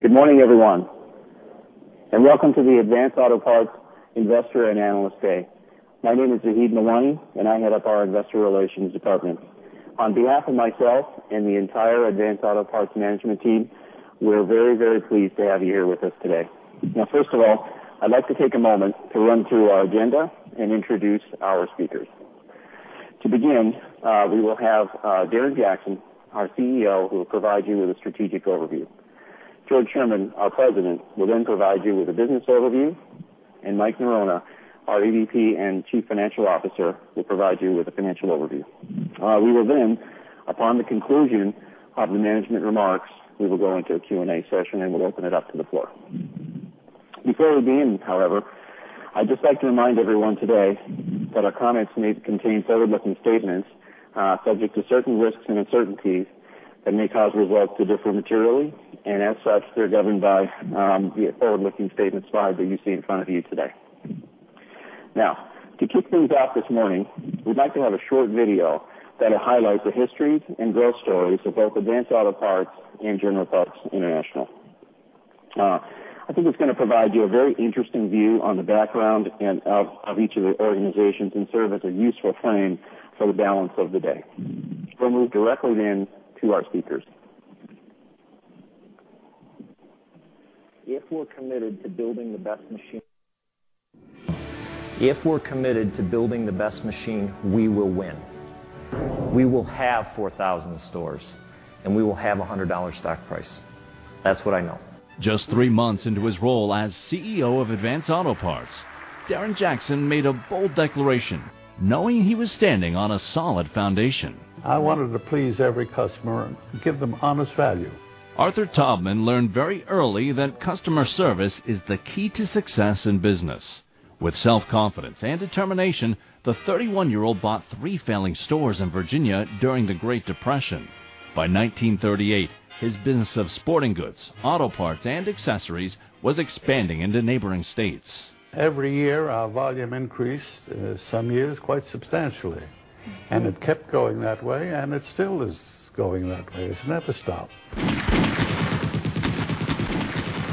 Good morning, everyone, and welcome to the Advance Auto Parts Investor and Analyst Day. My name is Zaheed Mawani, and I head up our investor relations department. On behalf of myself and the entire Advance Auto Parts management team, we're very, very pleased to have you here with us today. First of all, I'd like to take a moment to run through our agenda and introduce our speakers. We will have Darren Jackson, our CEO, who will provide you with a strategic overview. George Sherman, our President, will then provide you with a business overview, and Mike Norona, our EVP and Chief Financial Officer, will provide you with a financial overview. Upon the conclusion of the management remarks, we will go into a Q&A session, and we'll open it up to the floor. Before we begin, however, I'd just like to remind everyone today that our comments may contain forward-looking statements subject to certain risks and uncertainties that may cause results to differ materially, and as such, they're governed by the forward-looking statement slide that you see in front of you today. To kick things off this morning, we'd like to have a short video that'll highlight the history and growth stories of both Advance Auto Parts and General Parts International. I think it's going to provide you a very interesting view on the background and of each of the organizations and serve as a useful frame for the balance of the day. We'll move directly then to our speakers. If we're committed to building the best machine. If we're committed to building the best machine, we will win. We will have 4,000 stores, and we will have a $100 stock price. That's what I know. Just three months into his role as CEO of Advance Auto Parts, Darren Jackson made a bold declaration knowing he was standing on a solid foundation. I wanted to please every customer and give them honest value. Arthur Taubman learned very early that customer service is the key to success in business. With self-confidence and determination, the 31-year-old bought three failing stores in Virginia during the Great Depression. By 1938, his business of sporting goods, auto parts, and accessories was expanding into neighboring states. Every year, our volume increased, some years quite substantially. It kept going that way, and it still is going that way. It's never stopped.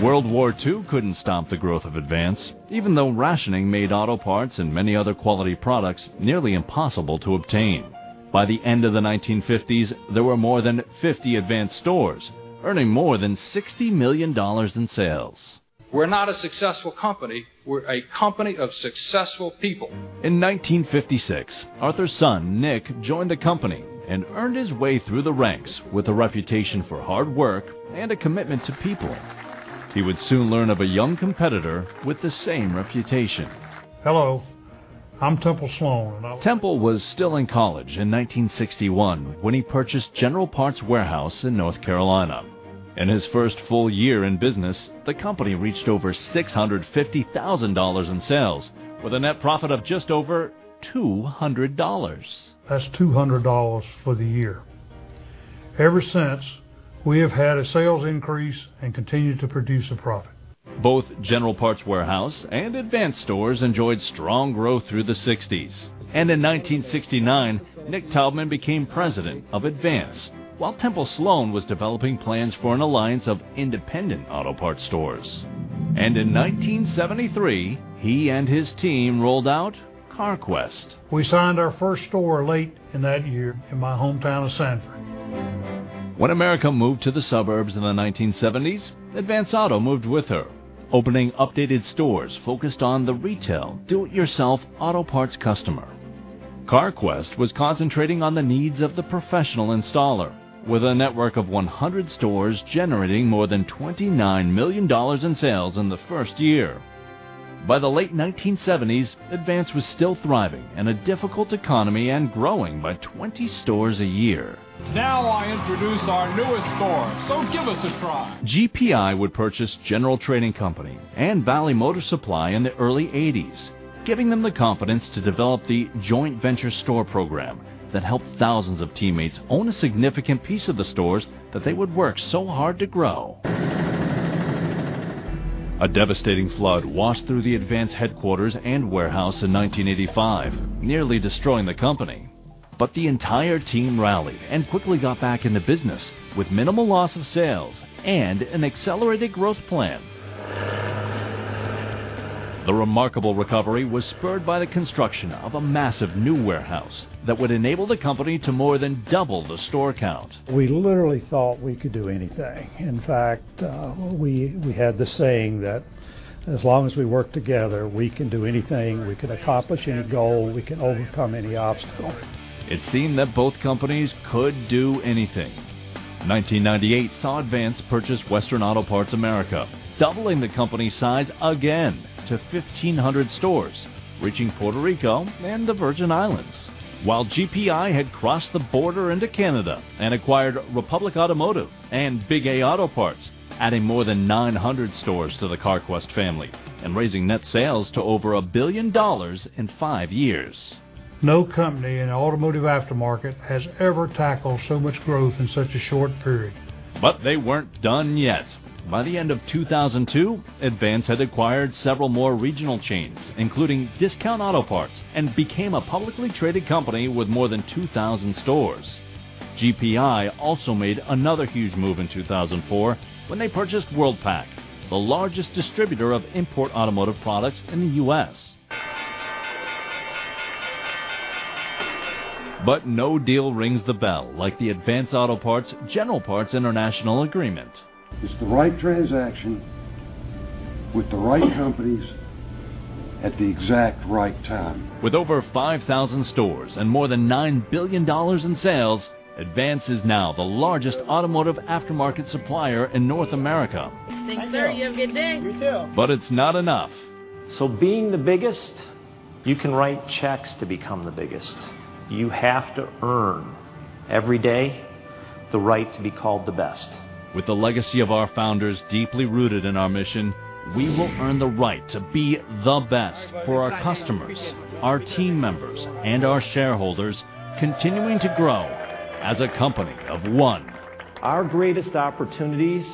World War II couldn't stop the growth of Advance, even though rationing made auto parts and many other quality products nearly impossible to obtain. By the end of the 1950s, there were more than 50 Advance stores, earning more than $60 million in sales. We're not a successful company. We're a company of successful people. In 1956, Arthur's son, Nick, joined the company and earned his way through the ranks with a reputation for hard work and a commitment to people. He would soon learn of a young competitor with the same reputation. Hello, I'm Temple Sloan. Temple was still in college in 1961 when he purchased General Parts Warehouse in North Carolina. In his first full year in business, the company reached over $650,000 in sales with a net profit of just over $200. That's $200 for the year. Ever since, we have had a sales increase and continued to produce a profit. Both General Parts Warehouse and Advance stores enjoyed strong growth through the '60s. In 1969, Nick Taubman became president of Advance while Temple Sloan was developing plans for an alliance of independent auto parts stores. In 1973, he and his team rolled out Carquest. We signed our first store late in that year in my hometown of Sanford. When America moved to the suburbs in the 1970s, Advance Auto moved with her, opening updated stores focused on the retail do-it-yourself auto parts customer. Carquest was concentrating on the needs of the professional installer with a network of 100 stores generating more than $29 million in sales in the first year. By the late 1970s, Advance was still thriving in a difficult economy and growing by 20 stores a year. I introduce our newest store. Give us a try. GPI would purchase General Trading Company and Valley Motor Supply in the early 1980s, giving them the confidence to develop the joint venture store program that helped thousands of teammates own a significant piece of the stores that they would work so hard to grow. A devastating flood washed through the Advance headquarters and warehouse in 1985, nearly destroying the company. The entire team rallied and quickly got back into business with minimal loss of sales and an accelerated growth plan. The remarkable recovery was spurred by the construction of a massive new warehouse that would enable the company to more than double the store count. We literally thought we could do anything. In fact, we had this saying that as long as we work together, we can do anything, we can accomplish any goal, we can overcome any obstacle. It seemed that both companies could do anything. 1998 saw Advance purchase Western Auto Parts America, doubling the company's size again to 1,500 stores, reaching Puerto Rico and the Virgin Islands. While GPI had crossed the border into Canada and acquired Republic Automotive and Big A Auto Parts, adding more than 900 stores to the Carquest family and raising net sales to over $1 billion in five years. No company in the automotive aftermarket has ever tackled so much growth in such a short period. They weren't done yet. By the end of 2002, Advance had acquired several more regional chains, including Discount Auto Parts, and became a publicly traded company with more than 2,000 stores. GPI also made another huge move in 2004 when they purchased Worldpac, the largest distributor of import automotive products in the U.S. No deal rings the bell like the Advance Auto Parts, General Parts International agreement. It's the right transaction with the right companies at the exact right time. With over 5,000 stores and more than $9 billion in sales, Advance is now the largest automotive aftermarket supplier in North America. Thanks, sir. You have a good day. You too. It's not enough. Being the biggest, you can write checks to become the biggest. You have to earn, every day, the right to be called the best. With the legacy of our founders deeply rooted in our mission, we will earn the right to be the best for our customers, our team members, and our shareholders, continuing to grow as a company of one. Our greatest opportunities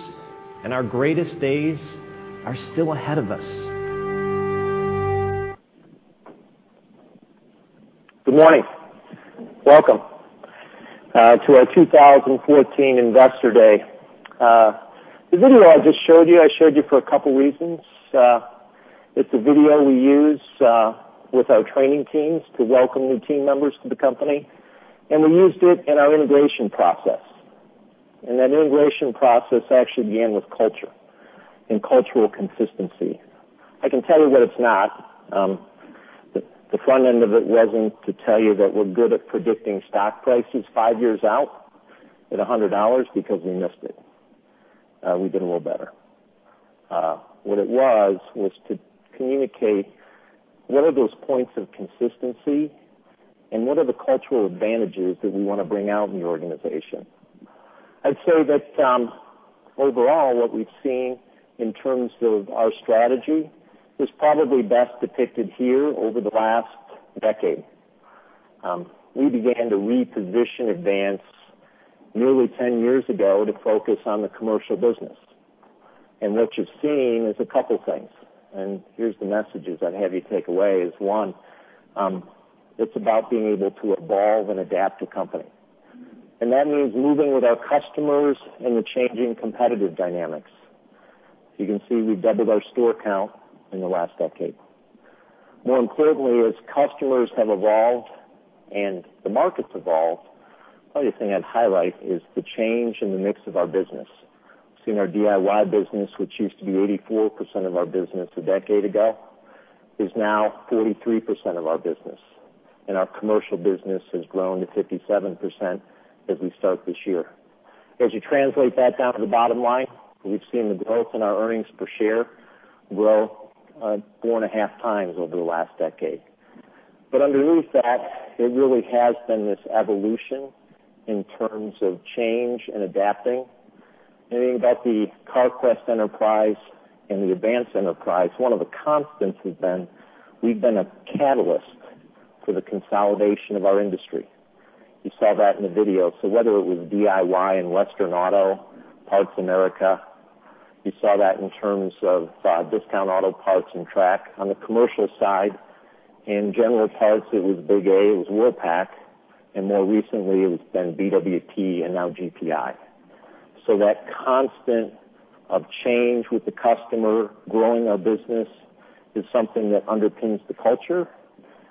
and our greatest days are still ahead of us. Good morning. Welcome to our 2014 Investor Day. The video I just showed you, I showed you for a couple of reasons. It's a video we use with our training teams to welcome new team members to the company, and we used it in our integration process. That integration process actually began with culture and cultural consistency. I can tell you what it's not. The front end of it wasn't to tell you that we're good at predicting stock prices five years out at $100 because we missed it. We did a little better. It was to communicate what are those points of consistency and what are the cultural advantages that we want to bring out in the organization. I'd say that overall, what we've seen in terms of our strategy is probably best depicted here over the last decade. We began to reposition Advance nearly 10 years ago to focus on the commercial business. What you're seeing is a couple of things, here's the messages I'd have you take away is, 1, it's about being able to evolve and adapt a company. That means moving with our customers and the changing competitive dynamics. You can see we've doubled our store count in the last decade. More importantly, as customers have evolved and the market's evolved, probably the thing I'd highlight is the change in the mix of our business. Seeing our DIY business, which used to be 84% of our business a decade ago, is now 43% of our business. Our commercial business has grown to 57% as we start this year. As you translate that down to the bottom line, we've seen the growth in our earnings per share grow four and a half times over the last decade. Underneath that, it really has been this evolution in terms of change and adapting. I think about the Carquest enterprise and the Advance enterprise, one of the constants has been we've been a catalyst for the consolidation of our industry. You saw that in the video. Whether it was DIY and Western Auto, Parts America, you saw that in terms of Discount Auto Parts and Trak Auto. On the commercial side, in General Parts, it was Big A, it was Worldpac, and more recently, it's been BWP and now GPI. That constant of change with the customer, growing our business is something that underpins the culture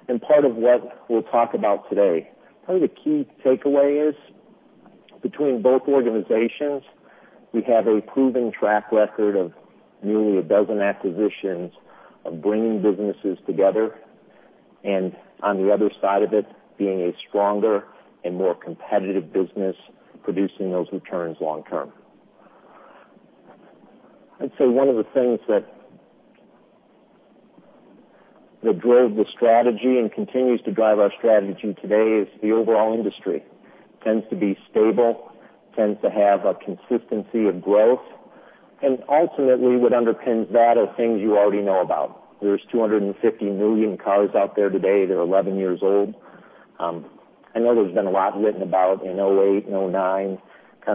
and part of what we'll talk about today. Probably the key takeaway is between both organizations, we have a proven track record of nearly a dozen acquisitions of bringing businesses together, and on the other side of it, being a stronger and more competitive business, producing those returns long term. I'd say one of the things that drove the strategy and continues to drive our strategy today is the overall industry tends to be stable, tends to have a consistency of growth. Ultimately, what underpins that are things you already know about. There's 250 million cars out there today that are 11 years old. I know there's been a lot written about in 2008 and 2009,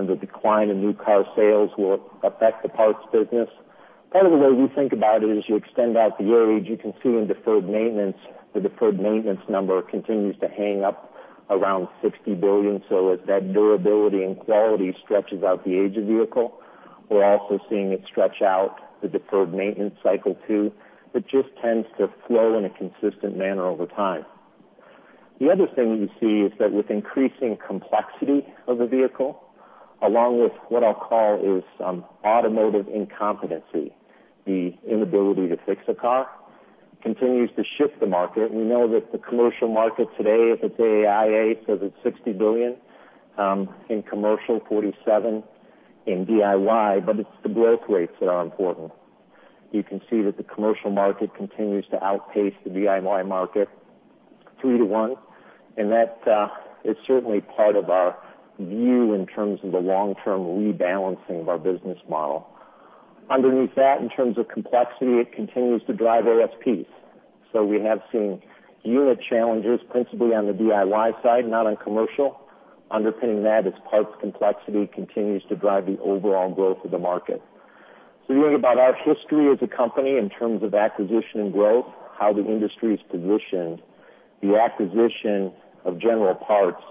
the decline in new car sales will affect the parts business. Part of the way we think about it is you extend out the age, you can see in deferred maintenance, the deferred maintenance number continues to hang up around $60 billion. As that durability and quality stretches out the age of vehicle, we're also seeing it stretch out the deferred maintenance cycle, too. It just tends to flow in a consistent manner over time. The other thing you see is that with increasing complexity of a vehicle, along with what I'll call is some automotive incompetency, the inability to fix a car, continues to shift the market. We know that the commercial market today, if it's AAIA, says it's $60 billion in commercial, $47 in DIY, but it's the growth rates that are important. You can see that the commercial market continues to outpace the DIY market 3 to 1, that is certainly part of our view in terms of the long-term rebalancing of our business model. Underneath that, in terms of complexity, it continues to drive ASPs. We have seen unit challenges, principally on the DIY side, not on commercial. Underpinning that is parts complexity continues to drive the overall growth of the market. When you think about our history as a company in terms of acquisition and growth, how the industry is positioned, the acquisition of General Parts,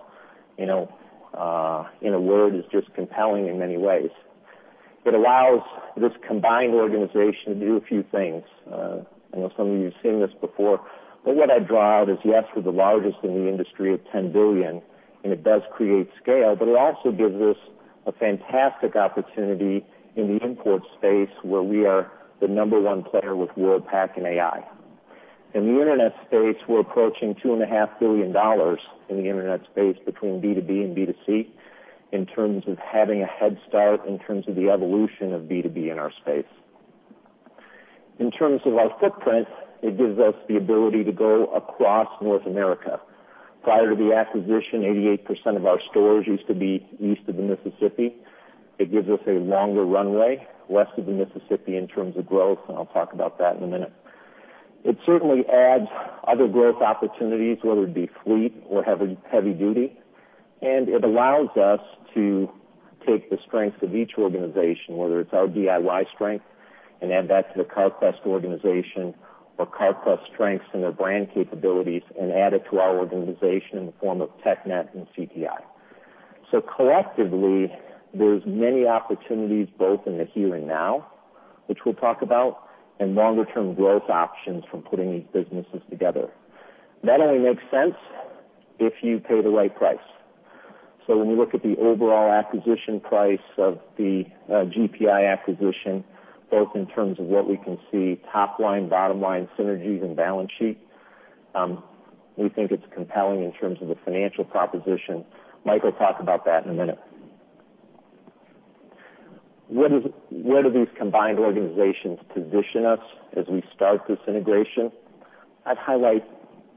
in a word, is just compelling in many ways. It allows this combined organization to do a few things. I know some of you have seen this before, what I draw out is, yes, we're the largest in the industry at $10 billion, it does create scale, but it also gives us a fantastic opportunity in the import space, where we are the number one player with Worldpac and AI. In the Internet space, we're approaching $2.5 billion in the Internet space between B2B and B2C, in terms of having a head start, in terms of the evolution of B2B in our space. In terms of our footprint, it gives us the ability to go across North America. Prior to the acquisition, 88% of our stores used to be east of the Mississippi. It gives us a longer runway west of the Mississippi in terms of growth, I'll talk about that in a minute. It certainly adds other growth opportunities, whether it be fleet or heavy duty, and it allows us to take the strengths of each organization, whether it's our DIY strength and add that to the Carquest organization or Carquest strengths and their brand capabilities and add it to our organization in the form of TechNet and CTI. Collectively, there's many opportunities both in the here and now, which we'll talk about, and longer-term growth options from putting these businesses together. That only makes sense if you pay the right price. When we look at the overall acquisition price of the GPI acquisition, both in terms of what we can see, top line, bottom line synergies and balance sheet, we think it's compelling in terms of the financial proposition. Mike will talk about that in a minute. Where do these combined organizations position us as we start this integration? I'd highlight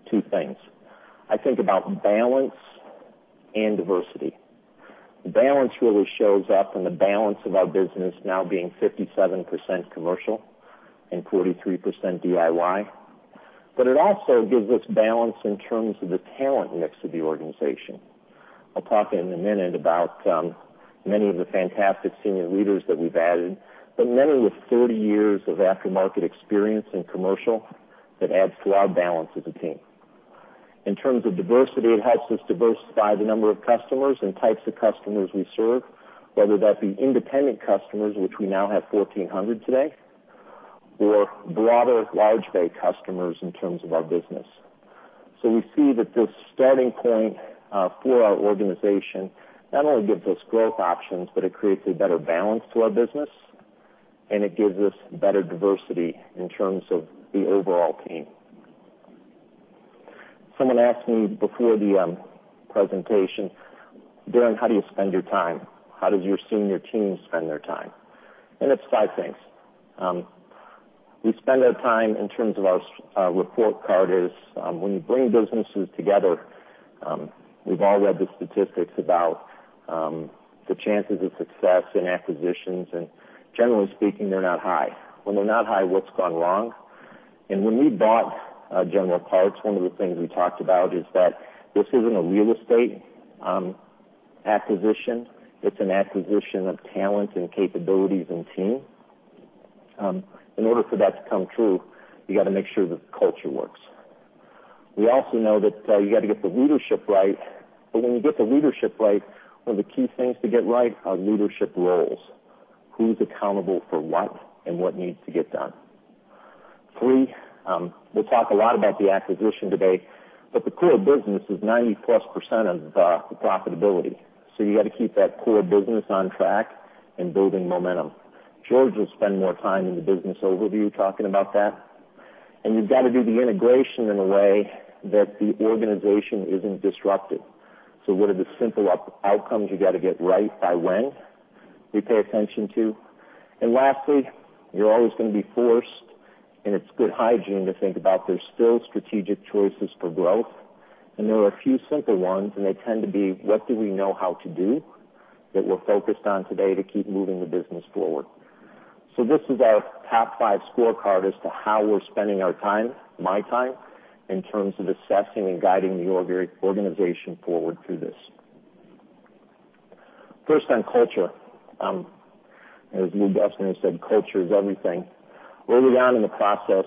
two things. I think about balance and diversity. Balance really shows up in the balance of our business now being 57% commercial and 43% DIY. But it also gives us balance in terms of the talent mix of the organization. I'll talk in a minute about many of the fantastic senior leaders that we've added, but many with 30 years of aftermarket experience in commercial that adds to our balance as a team. In terms of diversity, it helps us diversify the number of customers and types of customers we serve, whether that be independent customers, which we now have 1,400 today, or broader large-bay customers in terms of our business. We see that this starting point for our organization not only gives us growth options, but it creates a better balance to our business, and it gives us better diversity in terms of the overall team. Someone asked me before the presentation, "Darren, how do you spend your time? How does your senior team spend their time?" And it's five things. We spend our time in terms of our report card is, when you bring businesses together, we've all read the statistics about the chances of success in acquisitions, and generally speaking, they're not high. When they're not high, what's gone wrong? When we bought General Parts, one of the things we talked about is that this isn't a real estate acquisition. It's an acquisition of talent and capabilities and team. In order for that to come true, you got to make sure the culture works. We also know that you got to get the leadership right, but when you get the leadership right, one of the key things to get right are leadership roles. Who's accountable for what and what needs to get done? Three, we'll talk a lot about the acquisition today, but the core business is 90-plus % of the profitability. You got to keep that core business on track and building momentum. George will spend more time in the business overview talking about that. And you've got to do the integration in a way that the organization isn't disrupted. What are the simple outcomes you got to get right by when we pay attention to? And lastly, you're always going to be forced, and it's good hygiene to think about there's still strategic choices for growth, and there are a few simple ones, and they tend to be, what do we know how to do that we're focused on today to keep moving the business forward? This is our top five scorecard as to how we're spending our time, my time, in terms of assessing and guiding the organization forward through this. First on culture, as Lou Gerstner said, "Culture is everything." Early on in the process,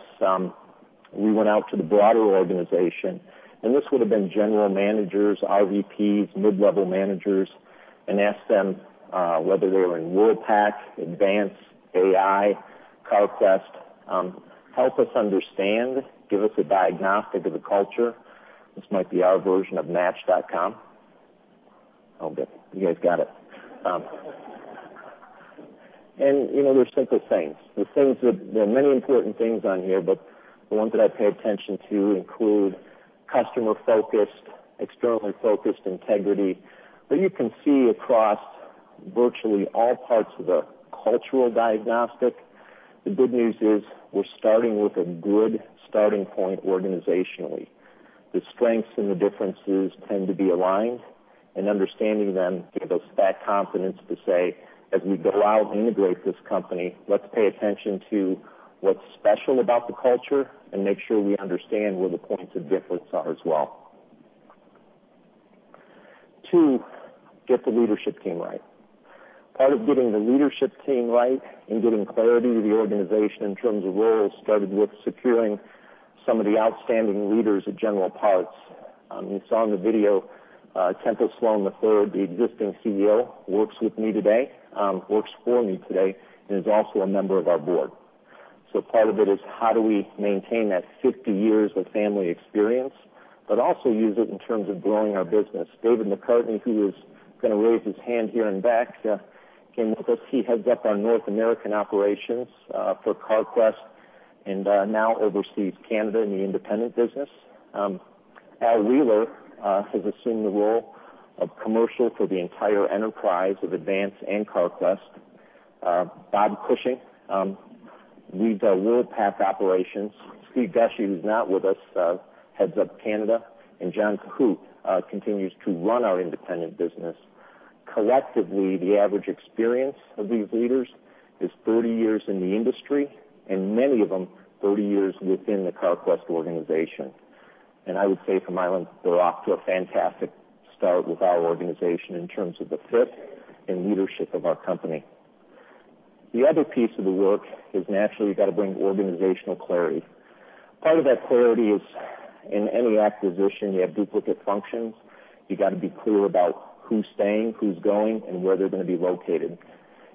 we went out to the broader organization, and this would have been general managers, VPs, mid-level managers, and asked them, whether they were in Worldpac, Advance, AI, Carquest, "Help us understand, give us a diagnostic of the culture." This might be our version of Match.com. All good. You guys got it. There's simple things. There are many important things on here, the ones that I pay attention to include customer-focused, externally focused, integrity. You can see across virtually all parts of the cultural diagnostic, the good news is we're starting with a good starting point organizationally. The strengths and the differences tend to be aligned and understanding them give us that confidence to say, as we go out and integrate this company, let's pay attention to what's special about the culture and make sure we understand where the points of difference are as well. Two, get the leadership team right. Part of getting the leadership team right and giving clarity to the organization in terms of roles started with securing some of the outstanding leaders of General Parts. You saw in the video, Temple Sloan III, the existing CEO, works with me today, works for me today, and is also a member of our board. Part of it is how do we maintain that 50 years of family experience, but also use it in terms of growing our business. David McCartney, who is going to raise his hand here in the back, came with us. He heads up our North American operations for Carquest and now oversees Canada and the independent business. Al Wheeler has assumed the role of commercial for the entire enterprise of Advance and Carquest. Bob Cushing leads our Worldpac operations. Steve DeShetler, who's not with us, heads up Canada, and John Kakacek continues to run our independent business. Collectively, the average experience of these leaders is 30 years in the industry, and many of them, 30 years within the Carquest organization. I would say from my end, they're off to a fantastic start with our organization in terms of the fit and leadership of our company. The other piece of the work is naturally you've got to bring organizational clarity. Part of that clarity is in any acquisition, you have duplicate functions. You got to be clear about who's staying, who's going, and where they're going to be located.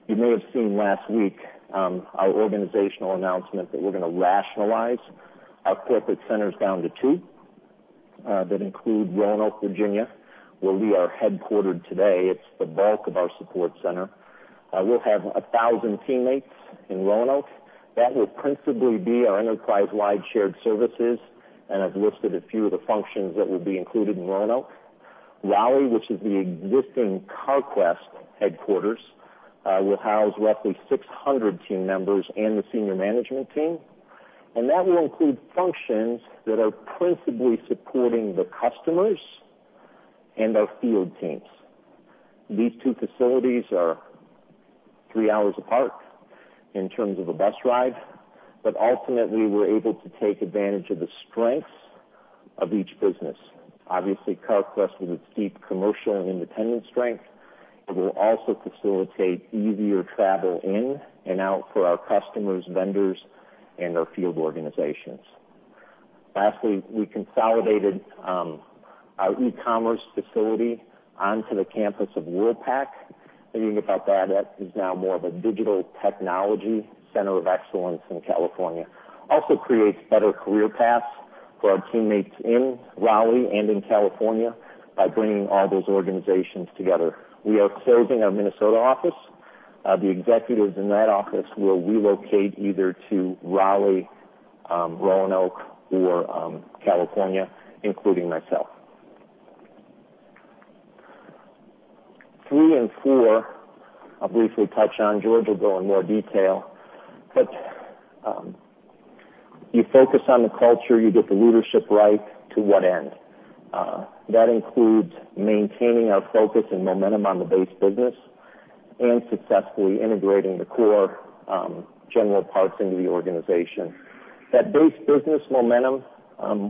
You may have seen last week our organizational announcement that we're going to rationalize our corporate centers down to two. That includes Roanoke, Virginia, where we are headquartered today. It's the bulk of our support center. We'll have 1,000 teammates in Roanoke. That will principally be our enterprise-wide shared services, I've listed a few of the functions that will be included in Roanoke. Raleigh, which is the existing Carquest headquarters, will house roughly 600 team members and the senior management team. That will include functions that are principally supporting the customers and our field teams. These two facilities are three hours apart in terms of a bus ride, ultimately, we're able to take advantage of the strengths of each business. Obviously, Carquest, with its deep commercial and independent strength, it will also facilitate easier travel in and out for our customers, vendors, and our field organizations. Lastly, we consolidated our e-commerce facility onto the campus of Worldpac. Thinking about that is now more of a digital technology center of excellence in California. Also creates better career paths for our teammates in Raleigh and in California by bringing all those organizations together. We are closing our Minnesota office. The executives in that office will relocate either to Raleigh, Roanoke, or California, including myself. Three and four, I'll briefly touch on. George will go in more detail. You focus on the culture, you get the leadership right to what end? That includes maintaining our focus and momentum on the base business and successfully integrating the core General Parts into the organization. That base business momentum,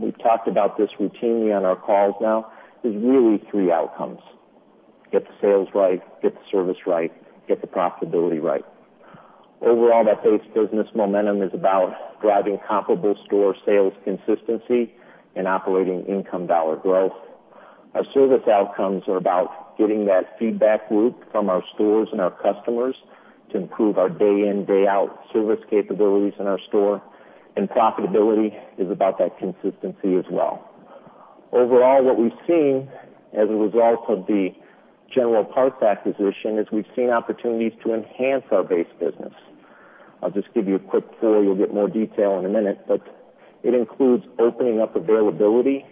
we've talked about this routinely on our calls now, is really three outcomes. Get the sales right, get the service right, get the profitability right. Overall, that base business momentum is about driving comparable store sales consistency and operating income dollar growth. Our service outcomes are about getting that feedback loop from our stores and our customers to improve our day-in, day-out service capabilities in our store, and profitability is about that consistency as well. Overall, what we've seen as a result of the General Parts acquisition is we've seen opportunities to enhance our base business. I'll just give you a quick tour. You'll get more detail in a minute, it includes opening up availability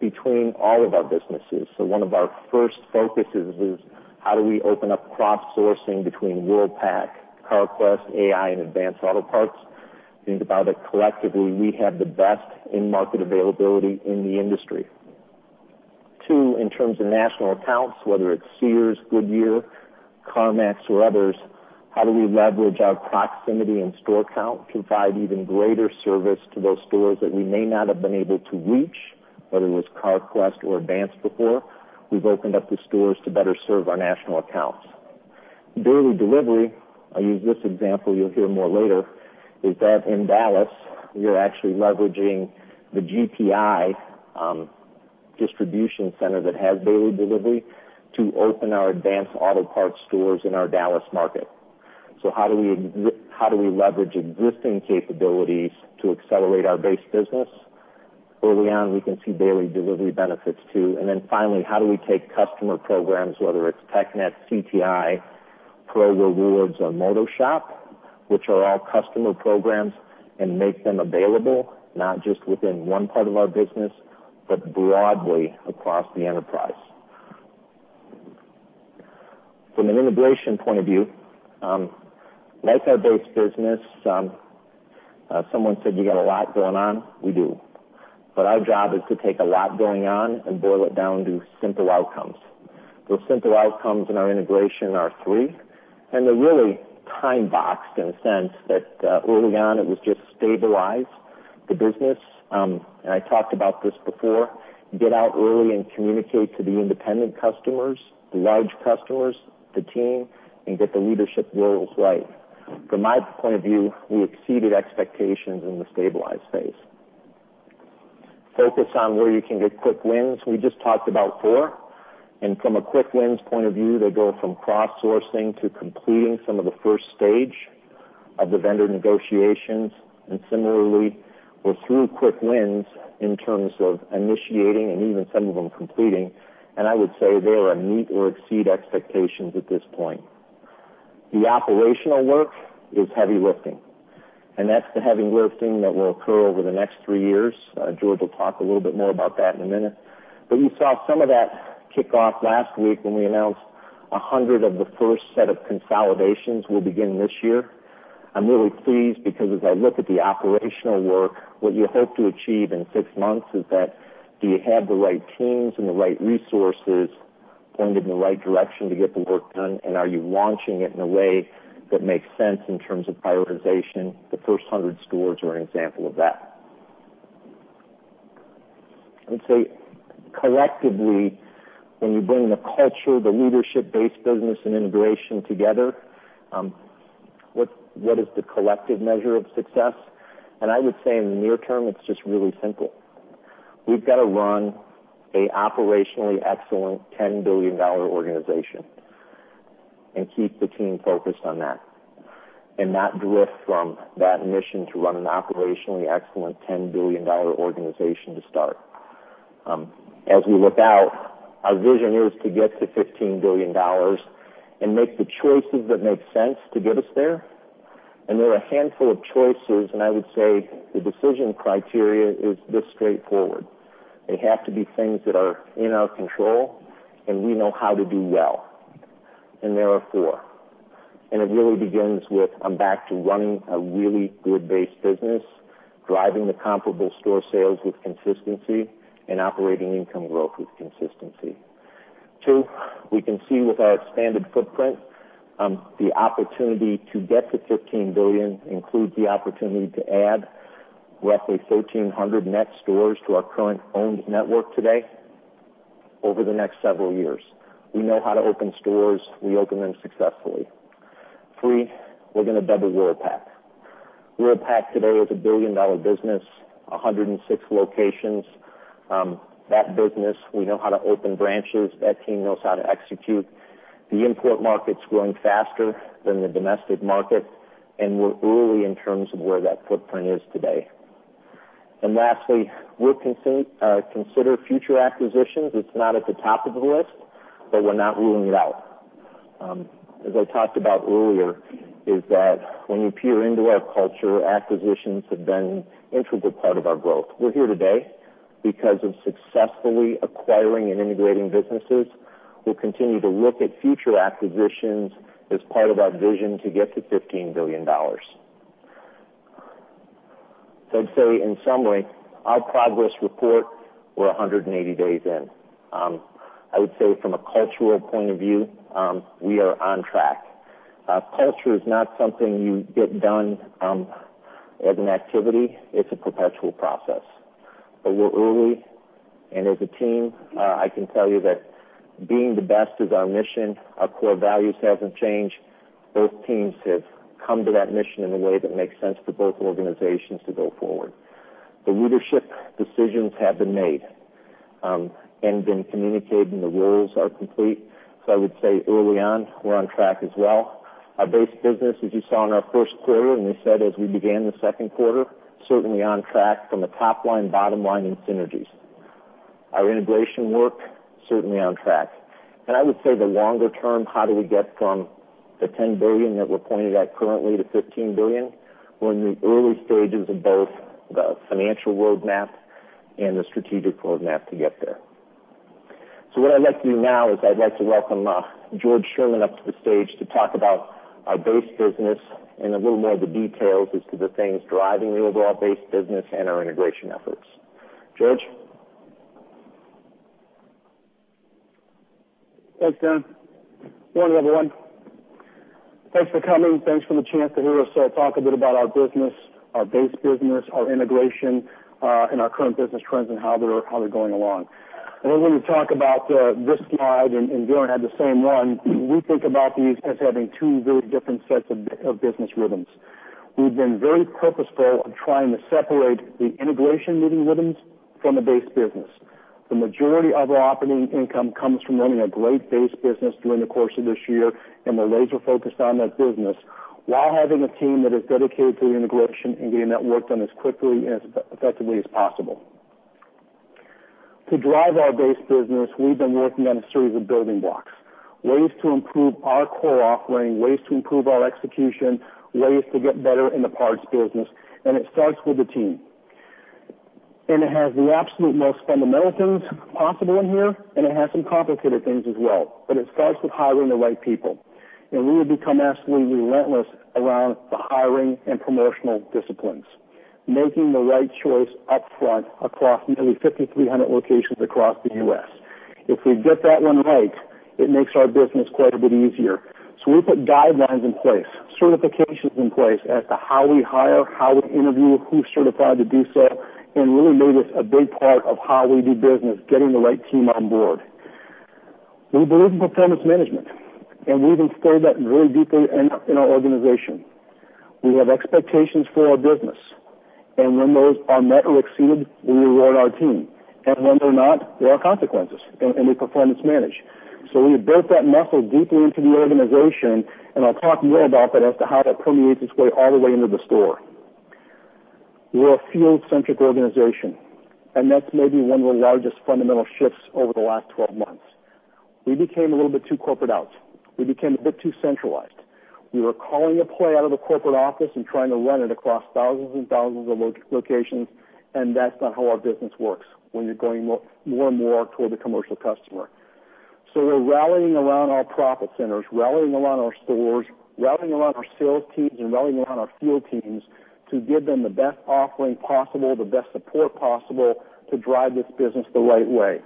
between all of our businesses. One of our first focuses is how do we open up cross-sourcing between Worldpac, Carquest, Autopart International, and Advance Auto Parts? Think about it collectively, we have the best in-market availability in the industry. Two, in terms of national accounts, whether it's Sears, Goodyear, CarMax, or others, how do we leverage our proximity and store count to provide even greater service to those stores that we may not have been able to reach, whether it was Carquest or Advance before? We've opened up the stores to better serve our national accounts. Daily delivery, I'll use this example, you'll hear more later, is that in Dallas, we are actually leveraging the General Parts International distribution center that has daily delivery to open our Advance Auto Parts stores in our Dallas market. How do we leverage existing capabilities to accelerate our base business? Early on, we can see daily delivery benefits, too. Finally, how do we take customer programs, whether it's TechNet, CTI, ProRewards or MotoShop, which are all customer programs, and make them available, not just within one part of our business, but broadly across the enterprise. From an integration point of view, like our base business, someone said you got a lot going on. We do. Our job is to take a lot going on and boil it down to simple outcomes. Those simple outcomes in our integration are three. They're really time-boxed in a sense that early on it was just stabilize the business. I talked about this before, get out early and communicate to the independent customers, the large customers, the team, and get the leadership roles right. From my point of view, we exceeded expectations in the stabilize phase. Focus on where you can get quick wins. We just talked about four. From a quick wins point of view, they go from cross-sourcing to completing some of the first stage of the vendor negotiations. Similarly, we're through quick wins in terms of initiating and even some of them completing, and I would say they are a meet or exceed expectations at this point. The operational work is heavy lifting, and that's the heavy lifting that will occur over the next three years. George will talk a little bit more about that in a minute. You saw some of that kick off last week when we announced 100 of the first set of consolidations will begin this year. I'm really pleased because as I look at the operational work, what you hope to achieve in six months is that do you have the right teams and the right resources pointed in the right direction to get the work done? Are you launching it in a way that makes sense in terms of prioritization? The first 100 stores are an example of that. I'd say collectively, when you bring the culture, the leadership-based business, and integration together, what is the collective measure of success? I would say in the near term, it's just really simple. We've got to run an operationally excellent $10 billion organization and keep the team focused on that. Not drift from that mission to run an operationally excellent $10 billion organization to start. As we look out, our vision is to get to $15 billion and make the choices that make sense to get us there. There are a handful of choices. I would say the decision criteria is this straightforward. They have to be things that are in our control. We know how to do well. There are four. It really begins with, I'm back to running a really good base business, driving the comparable store sales with consistency and operating income growth with consistency. Two, we can see with our expanded footprint, the opportunity to get to $15 billion includes the opportunity to add roughly 1,300 net stores to our current owned network today over the next several years. We know how to open stores. We open them successfully. Three, we're going to double Worldpac. Worldpac today is a billion-dollar business, 106 locations. That business, we know how to open branches. That team knows how to execute. The import market's growing faster than the domestic market. Lastly, we'll consider future acquisitions. It's not at the top of the list, but we're not ruling it out. As I talked about earlier, is that when you peer into our culture, acquisitions have been integral part of our growth. We're here today because of successfully acquiring and integrating businesses. We'll continue to look at future acquisitions as part of our vision to get to $15 billion. I'd say in summary, our progress report, we're 180 days in. I would say from a cultural point of view, we are on track. Culture is not something you get done as an activity. It's a perpetual process. We're early, and as a team, I can tell you that being the best is our mission. Our core values haven't changed. Both teams have come to that mission in a way that makes sense for both organizations to go forward. The leadership decisions have been made and been communicated, and the roles are complete. I would say early on, we're on track as well. Our base business, as you saw in our first quarter, and we said as we began the second quarter, certainly on track from a top line, bottom line in synergies. Our integration work, certainly on track. I would say the longer term, how do we get from the $10 billion that we're pointed at currently to $15 billion? We're in the early stages of both the financial roadmap and the strategic roadmap to get there. What I'd like to do now is I'd like to welcome George Sherman up to the stage to talk about our base business and a little more of the details as to the things driving the overall base business and our integration efforts. George? Thanks, Darren. Morning, everyone. Thanks for coming. Thanks for the chance to hear us talk a bit about our business, our base business, our integration, and our current business trends and how they're going along. When we talk about glide path and going at the same one, we think about these as having two very different sets of business rhythms. We've been very purposeful on trying to separate the integration moving rhythms from the base business. The majority of operating income comes from running a great base business during the course of this year, and the laser-focused on that business while having a team that is dedicated to integration and getting that worked on as quickly and as effectively as possible. To drive our base business, we've been working on a series of building blocks, ways to improve our core offering, ways to improve our execution, ways to get better in the parts business, and it starts with the team. It has the absolute most fundamentals possible in here, and it has some complicated things as well. It starts with hiring the right people. We have become absolutely relentless around the hiring and promotional disciplines. Making the right choice upfront across nearly 5,300 locations across the U.S. If we get that one right, it makes our business quite a bit easier. We put guidelines in place, certifications in place as to how we hire, how we interview, who's certified to do so, and really made this a big part of how we do business, getting the right team on board. We believe in performance management, and we've installed that really deeply in our organization. We have expectations for our business. When those are met or exceeded, we reward our team. If not, there are consequences, and we performance manage. We built that muscle deeply into the organization, and I'll talk more about that as to how that permeates its way all the way into the store. We're a field-centric organization, and that's maybe one of the largest fundamental shifts over the last 12 months. We became a little bit too corporate out. We became a bit too centralized. We were calling a play out of the corporate office and trying to run it across thousands and thousands of locations, and that's not how our business works when you're going more and more toward the commercial customer. We're rallying around our profit centers, rallying around our stores, rallying around our field teams, and rallying around our field teams to give them the best offering possible, the best support possible to drive this business the right way.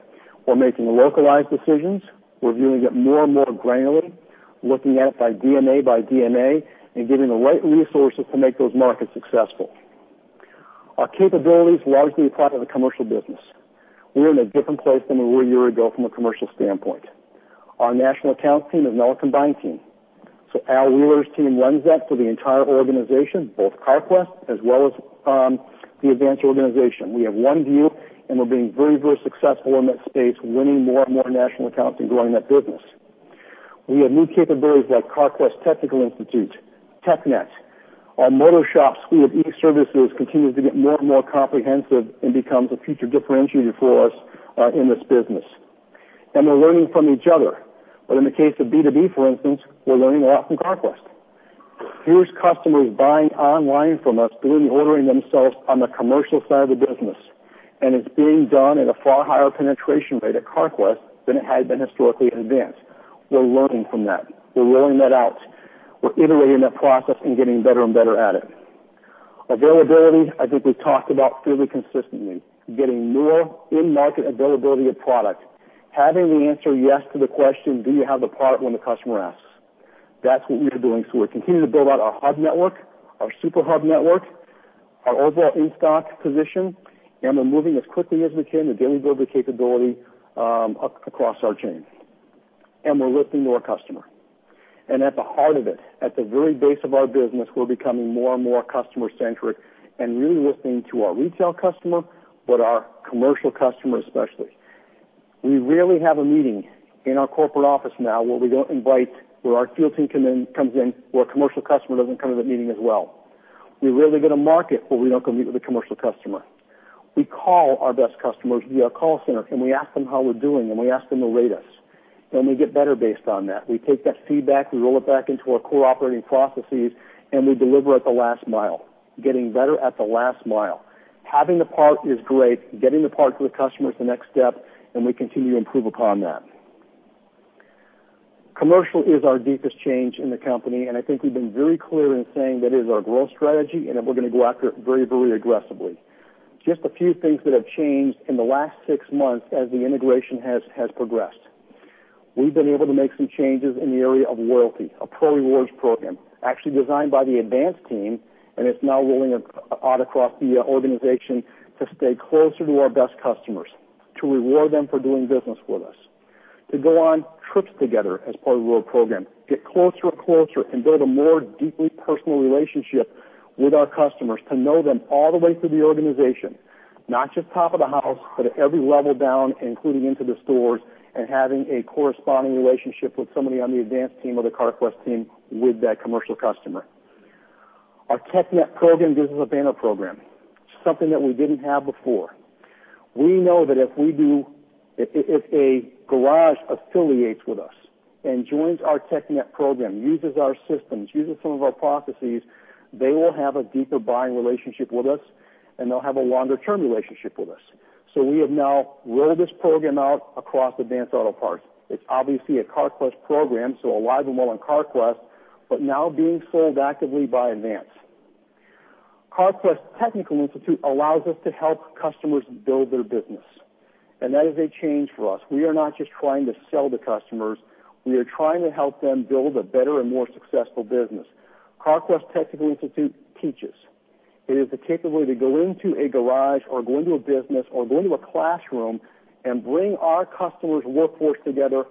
We're making localized decisions. We're viewing it more and more granularly. Looking at it by DMA by DMA, and giving the right resources to make those markets successful. Our capabilities largely apply to the commercial business. We're in a different place than we were a year ago from a commercial standpoint. Our national accounts team is now a combined team. Al Wheeler's team runs that for the entire organization, both Carquest as well as the Advance organization. We have one view, and we're being very, very successful in that space, winning more and more national accounts and growing that business. We have new capabilities at Carquest Technical Institute, TechNet. Our MotoShop, wheel and lube services continue to get more and more comprehensive and becomes a future differentiator for us in this business. We're learning from each other. In the case of B2B, for instance, we're learning that from Carquest. Huge customers buying online from us, doing the ordering themselves on the commercial side of the business. It's being done at a far higher penetration rate at Carquest than it had been historically at Advance. We're learning from that. We're learning that out. We're iterating that process and getting better and better at it. Availability, I think we've talked about fairly consistently. Getting more in-market availability of product, having the answer yes to the question, do you have the part when the customer asks? That's what we are doing. We're continuing to build out our hub network, our Super Hub network, our overall in-stock position, and we're moving as quickly as we can to build the capability across our chain. We're listening to our customer. At the heart of it, at the very base of our business, we're becoming more and more customer-centric and really listening to our retail customer, but our commercial customer especially. We rarely have a meeting in our corporate office now where we don't invite where our field team comes in or a commercial customer doesn't come to the meeting as well. We rarely go to market where we don't come to the commercial customer. We call our best customers via call center, and we ask them how we're doing, and we ask them to rate us. We get better based on that. We take that feedback, we roll it back into our cooperating processes, we deliver at the last mile, getting better at the last mile. Having the part is great. Getting the part to the customer is the next step, we continue to improve upon that. Commercial is our deepest change in the company, I think we've been very clear in saying that is our growth strategy, we're going to go after it very, very aggressively. Just a few things that have changed in the last six months as the integration has progressed. We've been able to make some changes in the area of loyalty, a ProRewards program actually designed by the Advance team, it's now rolling out across the organization to stay closer to our best customers, to reward them for doing business with us, to go on trips together as part of the reward program. Get closer and closer and build a more deeply personal relationship with our customers to know them all the way through the organization, not just top of the house, but at every level down, including into the stores and having a corresponding relationship with somebody on the Advance team or the Carquest team with that commercial customer. Our TechNet program is a banner program, something that we didn't have before. We know that if a garage affiliates with us, joins our TechNet program, uses our systems, uses some of our processes, they will have a deeper buying relationship with us, they'll have a longer-term relationship with us. We have now rolled this program out across Advance Auto Parts. It's obviously a Carquest program, a lot of them own Carquest, but now being sold actively by Advance. Carquest Technical Institute allows us to help customers build their business. That is a change for us. We are not just trying to sell to customers. We are trying to help them build a better and more successful business. Carquest Technical Institute teaches. It is the capability to go into a garage or go into a business or go into a classroom, bring our customers' workforce together,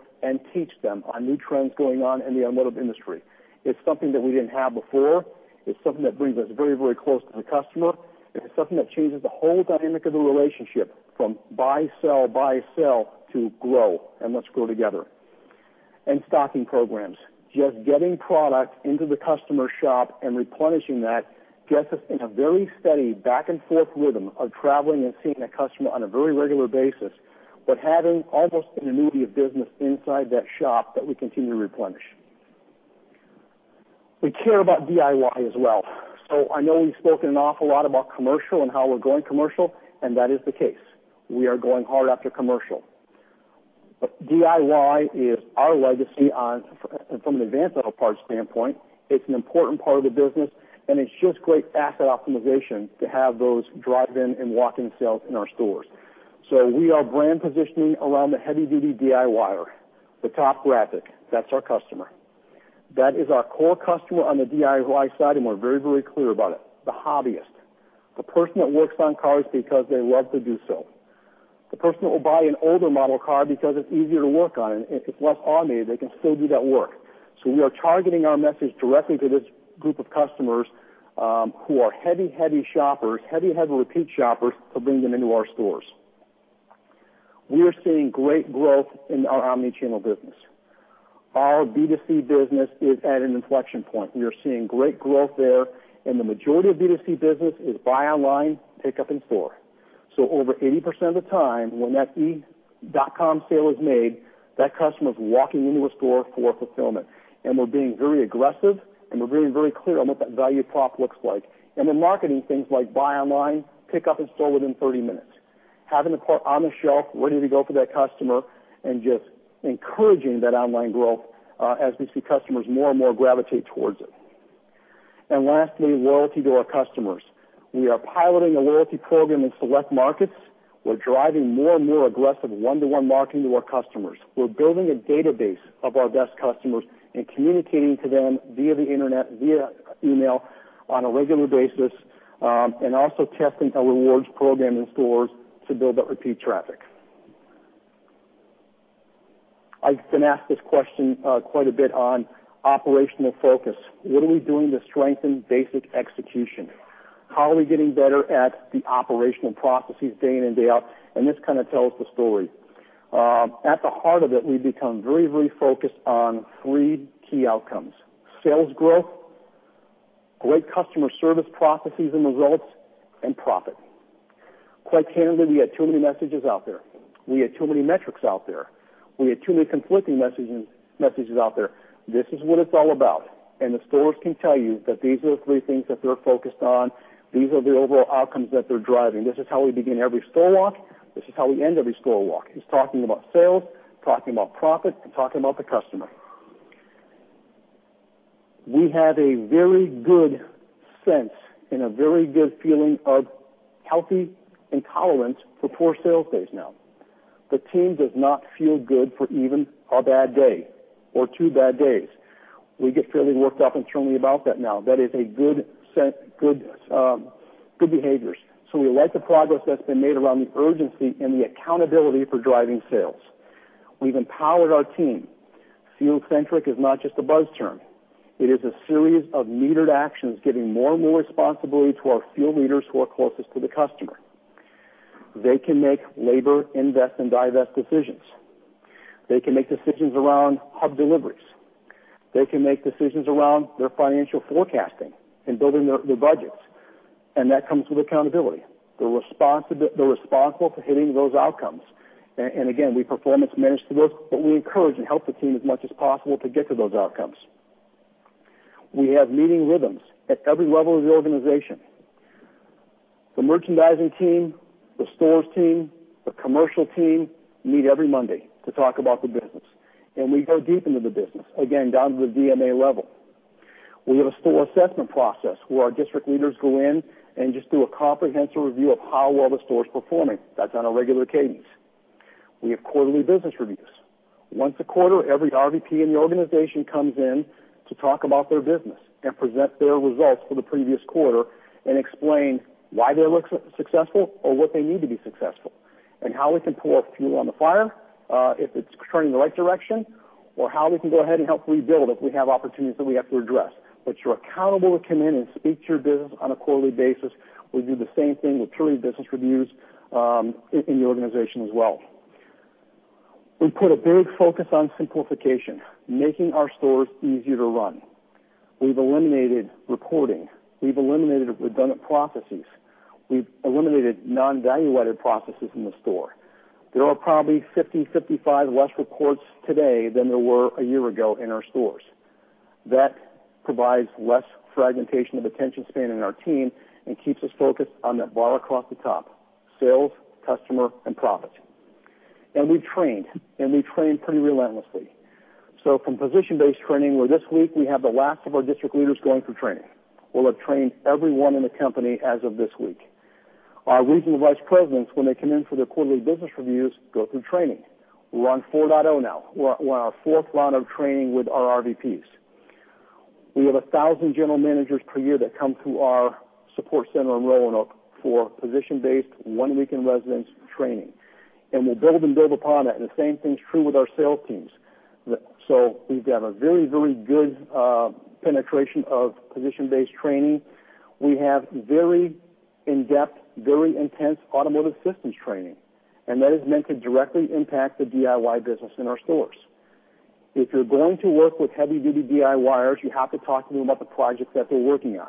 teach them on new trends going on in the automotive industry. It's something that we didn't have before. It's something that brings us very, very close to the customer. It's something that changes the whole dynamic of the relationship from buy, sell, buy, sell to grow, let's grow together. Stocking programs. Just getting product into the customer shop and replenishing that gets us in a very steady back-and-forth rhythm of traveling and seeing the customer on a very regular basis, but having almost an annuity of business inside that shop that we continue to replenish. We care about DIY as well. I know we've spoken an awful lot about commercial and how we're going commercial, that is the case. We are going hard after commercial. DIY is our legacy from an Advance Auto Parts standpoint. It's an important part of the business, and it shows great asset optimization to have those drive-in and walk-in sales in our stores. We are brand positioning around the heavy-duty DIYer, the top graphic. That's our customer. That is our core customer on the DIY side, and we're very clear about it. The hobbyist, the person that works on cars because they love to do so. The person who will buy an older model car because it's easier to work on, and if it's well on me, they can still do that work. We are targeting our message directly to this group of customers, who are heavy shoppers, heavy repeat shoppers to bring them into our stores. We are seeing great growth in our omnichannel business. Our B2C business is at an inflection point. We are seeing great growth there, the majority of B2C business is buy online, pick up in-store. Over 80% of the time, when that e-comm sale is made, that customer is walking into a store for fulfillment. We're being very aggressive, and we're very clear on what that value prop looks like. We're marketing things like buy online, pick up in-store within 30 minutes. Having the part on the shelf ready to go for that customer and just encouraging that online growth as we see customers more and more gravitate towards it. Lastly, loyalty to our customers. We are piloting a loyalty program in select markets. We're driving more aggressive one-to-one marketing to our customers. We're building a database of our best customers communicating to them via the internet, via email on a regular basis, also testing rewards programs in stores to build that repeat traffic. I've been asked this question quite a bit on operational focus. What are we doing to strengthen basic execution? How are we getting better at the operational processes day in and day out? This kind of tells the story. At the heart of it, we've become very focused on three key outcomes: sales growth, great customer service processes and results, profit. Quite candidly, we had too many messages out there. We had too many metrics out there. We had too many conflicting messages out there. This is what it's all about. The stores can tell you that these are the three things that they're focused on. These are the overall outcomes that they're driving. This is how we begin every store walk. This is how we end every store walk. It's talking about sales, talking about profit, talking about the customer. We have a very good sense and a very good feeling of healthy tolerance for poor sales days now. The team does not feel good for even a bad day or two bad days. We get fairly worked up internally about that now. That is a good behaviors. We like the progress that's been made around the urgency and the accountability for driving sales. We've empowered our team. Field-centric is not just a buzz term. It is a series of metered actions, giving more and more responsibility to our field leaders who are closest to the customer. They can make labor invest and divest decisions. They can make decisions around hub deliveries. They can make decisions around their financial forecasting and building their budgets, that comes with accountability. They're responsible for hitting those outcomes. Again, we performance manage the work, but we encourage and help the team as much as possible to get to those outcomes. We have meeting rhythms at every level of the organization. The merchandising team, the stores team, the commercial team meet every Monday to talk about the business. We go deep into the business, again, down to the DMA level. We have a store assessment process where our district leaders go in and just do a comprehensive review of how well the store is performing. That's on a regular cadence. We have quarterly business reviews. Once a quarter, every RVP in the organization comes in to talk about their business and present their results for the previous quarter and explain why they're successful or what they need to be successful and how we can pull up fuel on the fire, if it's turning in the right direction, or how we can go ahead and help rebuild if we have opportunities that we have to address. You're accountable to come in and speak to your business on a quarterly basis. We do the same thing with truly business reviews, in the organization as well. We put a big focus on simplification, making our stores easier to run. We've eliminated reporting. We've eliminated redundant processes. We've eliminated non-value-added processes in the store. There are probably 50, 55 less reports today than there were a year ago in our stores. That provides less fragmentation of attention span in our team and keeps us focused on that bar across the top, sales, customer, and profit. We train pretty relentlessly. From position-based training, where this week we have the last of our district leaders going through training. We'll have trained everyone in the company as of this week. Our regional vice presidents, when they come in for their quarterly business reviews, go through training. We're on 4.0 now. We're on our fourth round of training with our RVPs. We have 1,000 general managers per year that come through our support center in Roanoke for position-based one-week investment training. We build and build upon that, and the same thing is true with our sales teams. We've got a very good penetration of position-based training. We have very in-depth, very intense automotive systems training, that is meant to directly impact the DIY business in our stores. If you're going to work with heavy-duty DIYers, you have to talk to them about the project that they're working on.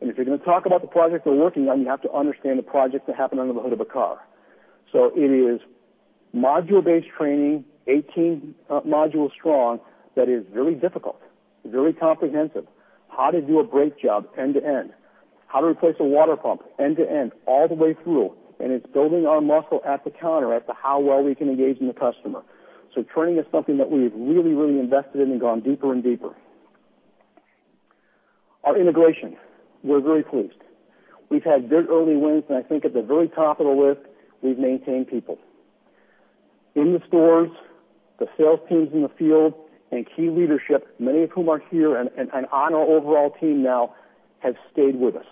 If you're going to talk about the project they're working on, you have to understand the project that happened under the hood of a car. It is module-based training, 18 modules strong that is very difficult. It's very comprehensive. How to do a great job end to end. How to replace a water pump end-to-end all the way through, and it's building our muscle at the counter as to how well we can engage in the customer. Training is something that we've really, really invested in and gone deeper and deeper. Our integration, we're very pleased. We've had good early wins. I think at the very top of the list, we've maintained people. In the stores, the sales teams in the field, and key leadership, many of whom are here and on our overall team now, have stayed with us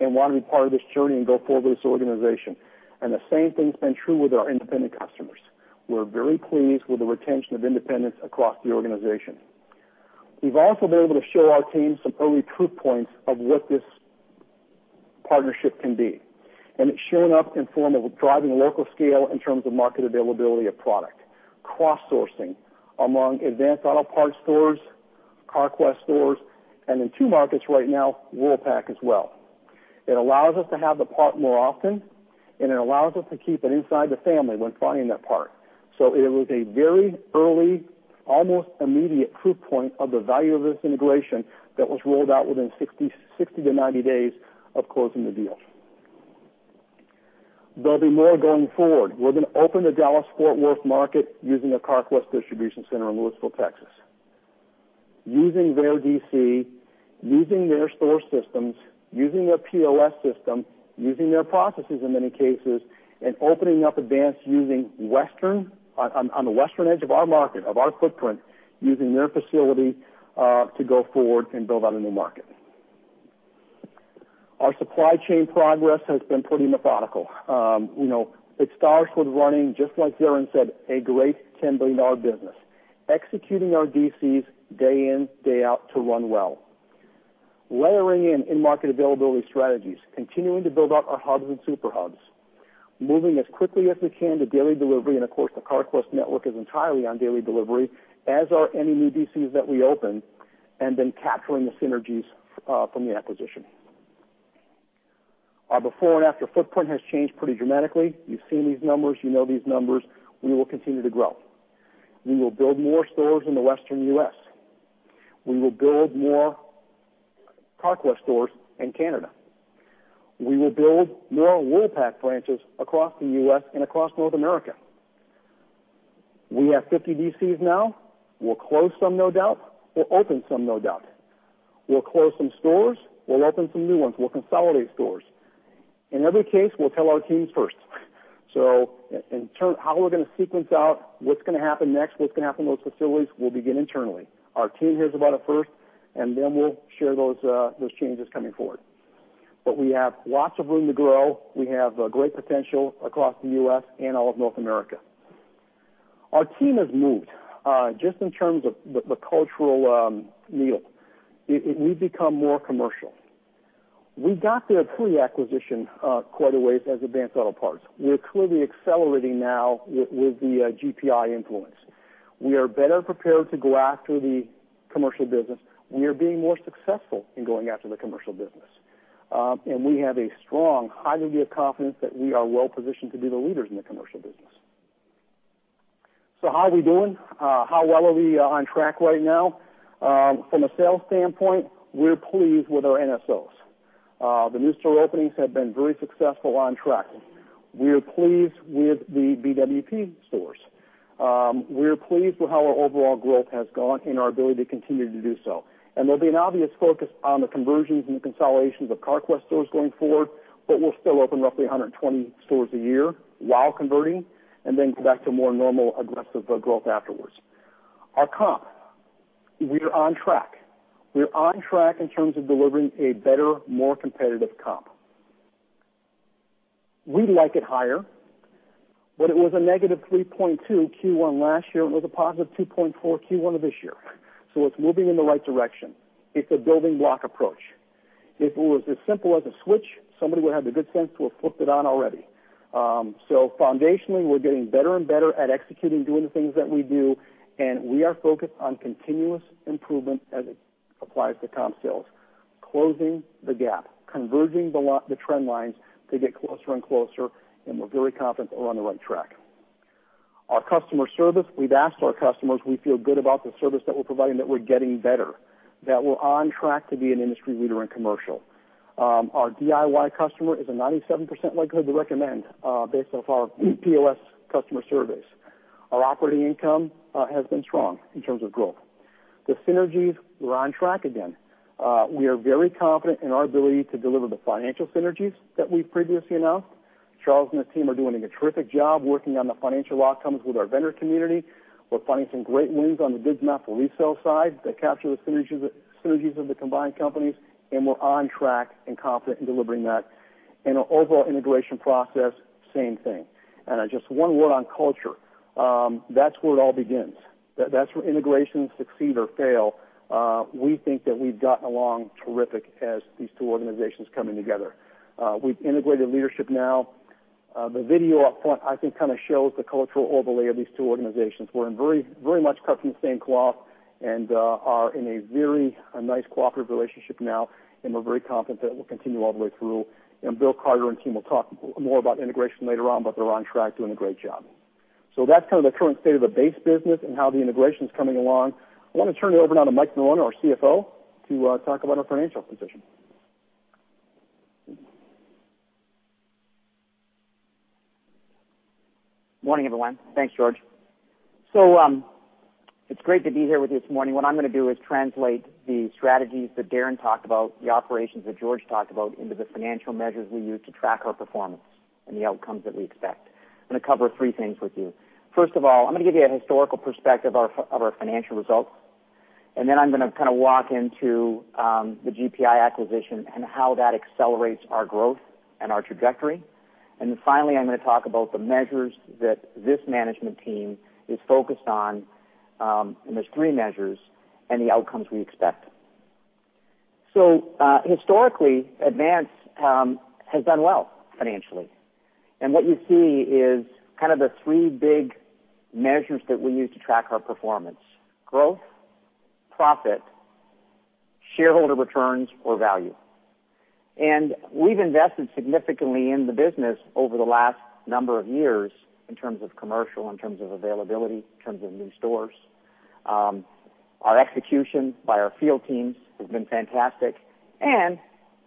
and want to be part of this journey and go forward with this organization. The same thing's been true with our independent customers. We're very pleased with the retention of independents across the organization. We've also been able to show our team some early proof points of what this partnership can be. It's showing up in form of driving local scale in terms of market availability of product. Cross-sourcing among Advance Auto Parts stores, Carquest stores, and in two markets right now, Worldpac as well. It allows us to have the part more often. It allows us to keep it inside the family when finding that part. It was a very early, almost immediate proof point of the value of this integration that was rolled out within 60 to 90 days of closing the deal. There'll be more going forward. We're going to open the Dallas-Fort Worth market using a Carquest distribution center in Lewisville, Texas. Using their DC, using their store systems, using their POS system, using their processes in many cases, and opening up Advance on the western edge of our market, of our footprint, using their facility to go forward and build out in the market. Our supply chain progress has been pretty methodical. It starts with running, just like Darren said, a great $10 billion business, executing our DCs day in, day out to run well. Layering in market availability strategies, continuing to build out our hubs and Super Hubs, moving as quickly as we can to daily delivery. Of course, the Carquest network is entirely on daily delivery, as are any new DCs that we open, and then capturing the synergies from the acquisition. Our before and after footprint has changed pretty dramatically. You've seen these numbers, you know these numbers. We will continue to grow. We will build more stores in the Western U.S. We will build more Carquest stores in Canada. We will build more Worldpac branches across the U.S. and across North America. We have 50 DCs now. We'll close some, no doubt. We'll open some, no doubt. We'll close some stores. We'll open some new ones. We'll consolidate stores. In every case, we'll tell our teams first. In terms how we're going to sequence out what's going to happen next, what's going to happen to those facilities, we'll begin internally. Our team hears about it first. Then we'll share those changes coming forward. We have lots of room to grow. We have great potential across the U.S. and all of North America. Our team has moved, just in terms of the cultural needle. We've become more commercial. We got there pre-acquisition quite a ways as Advance Auto Parts. We're clearly accelerating now with the GPI influence. We are better prepared to go after the commercial business. We are being more successful in going after the commercial business. We have a strong, high degree of confidence that we are well-positioned to be the leaders in the commercial business. How are we doing? How well are we on track right now? From a sales standpoint, we're pleased with ourselves. The new store openings have been very successful on tracking. We are pleased with the BWP stores. We're pleased with how our overall growth has gone and our ability to continue to do so. There'll be an obvious focus on the conversions and the consolidations of Carquest stores going forward, but we'll still open roughly 120 stores a year while converting and then get back to more normal aggressive growth afterwards. Our comp, we are on track. We are on track in terms of delivering a better, more competitive comp. We like it higher, but it was a negative 3.2 Q1 last year and was a positive 2.4 Q1 of this year. It's moving in the right direction. It's a building block approach. If it was as simple as a switch, somebody would have the good sense we'll flip it on already. Foundationally, we're getting better and better at executing, doing the things that we do, and we are focused on continuous improvement as it applies to comp sales, closing the gap, converging the trend lines to get closer and closer, and we're very confident we're on the right track. Our customer service, we've asked our customers, we feel good about the service that we're providing, that we're getting better, that we're on track to be an industry leader in commercial. Our DIY customer is a 97% likelihood to recommend based off our POS customer service. Our operating income has been strong in terms of growth. The synergies, we're on track again. We are very confident in our ability to deliver the financial synergies that we've previously announced. Charles and the team are doing a terrific job working on the financial outcomes with our vendor community. We're finding some great wins on the Goods Not For Resale side that capture the synergies of the combined companies, and we're on track and confident in delivering that. Our overall integration process, same thing. Just one word on culture. That's where it all begins. That's where integrations succeed or fail. We think that we've gotten along terrific as these two organizations coming together. We've integrated leadership now. The video, I think, showed the cultural overlay of these two organizations. We're in very much cut from the same cloth and are in a very nice cooperative relationship now, and we're very confident that we'll continue all the way through. Bill Carter and team will talk more about integration later on, but they're on track doing a great job. That's the current state of the base business and how the integration's coming along. I want to turn it over now to Mike Norona, our CFO, to talk about our financial position. Morning, everyone. Thanks, George. It's great to be here with you this morning. What I'm going to do is translate the strategies that Darren talked about, the operations that George talked about into the financial measures we use to track our performance and the outcomes that we expect. I'm going to cover three things with you. First of all, I'm going to give you a historical perspective of our financial results. Then I'm going to walk into the GPI acquisition and how that accelerates our growth and our trajectory. Finally, I'm going to talk about the measures that this management team is focused on, and there's three measures, and the outcomes we expect. Historically, Advance has done well financially, and what you see is the three big measures that we use to track our performance, growth, profit, shareholder returns or value. We've invested significantly in the business over the last number of years in terms of commercial, in terms of availability, in terms of new stores. Our execution by our field teams has been fantastic.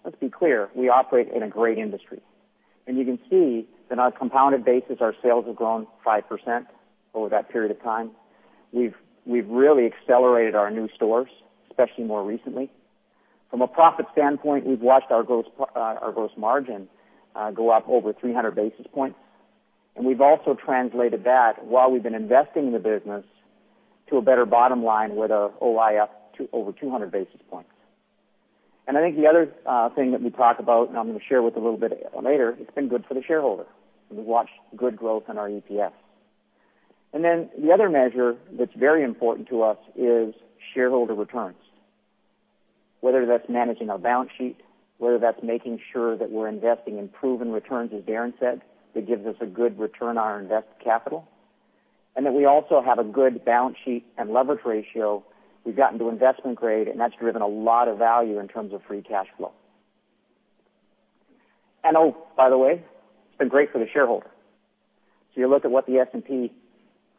Let's be clear, we operate in a great industry. You can see that on a compounded basis, our sales have grown 5% over that period of time. We've really accelerated our new stores, especially more recently. From a profit standpoint, we've watched our gross margin go up over 300 basis points, and we've also translated that while we've been investing in the business to a better bottom line with an OI over 200 basis points. I think the other thing that we talk about, and I'm going to share with a little bit later, it's been good for the shareholder, and we've watched good growth on our EPS. The other measure that's very important to us is shareholder returns. Whether that's managing our balance sheet, whether that's making sure that we're investing in proven returns, as Darren said, that gives us a good return on our invested capital, and that we also have a good balance sheet and leverage ratio. We've gotten to investment grade, and that's driven a lot of value in terms of free cash flow. By the way, it's been great for the shareholder. You look at what the S&P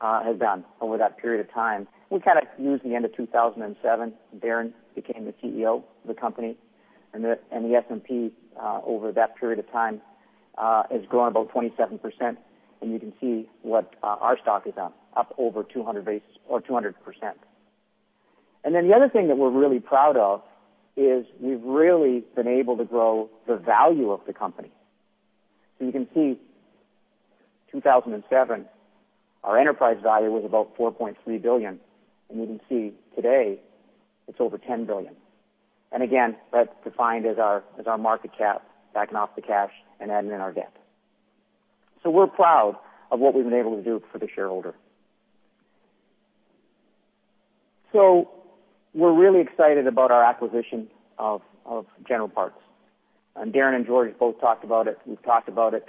has done over that period of time. We used the end of 2007, Darren became the CEO of the company, and the S&P over that period of time has grown about 27%, and you can see what our stock is up over 200%. The other thing that we're really proud of is we've really been able to grow the value of the company. You can see 2007, our enterprise value was about $4.3 billion, and you can see today it's over $10 billion. Again, that's defined as our market cap backing off the cash and adding in our debt. We're proud of what we've been able to do for the shareholder. We're really excited about our acquisition of General Parts, and Darren and George both talked about it. We've talked about it,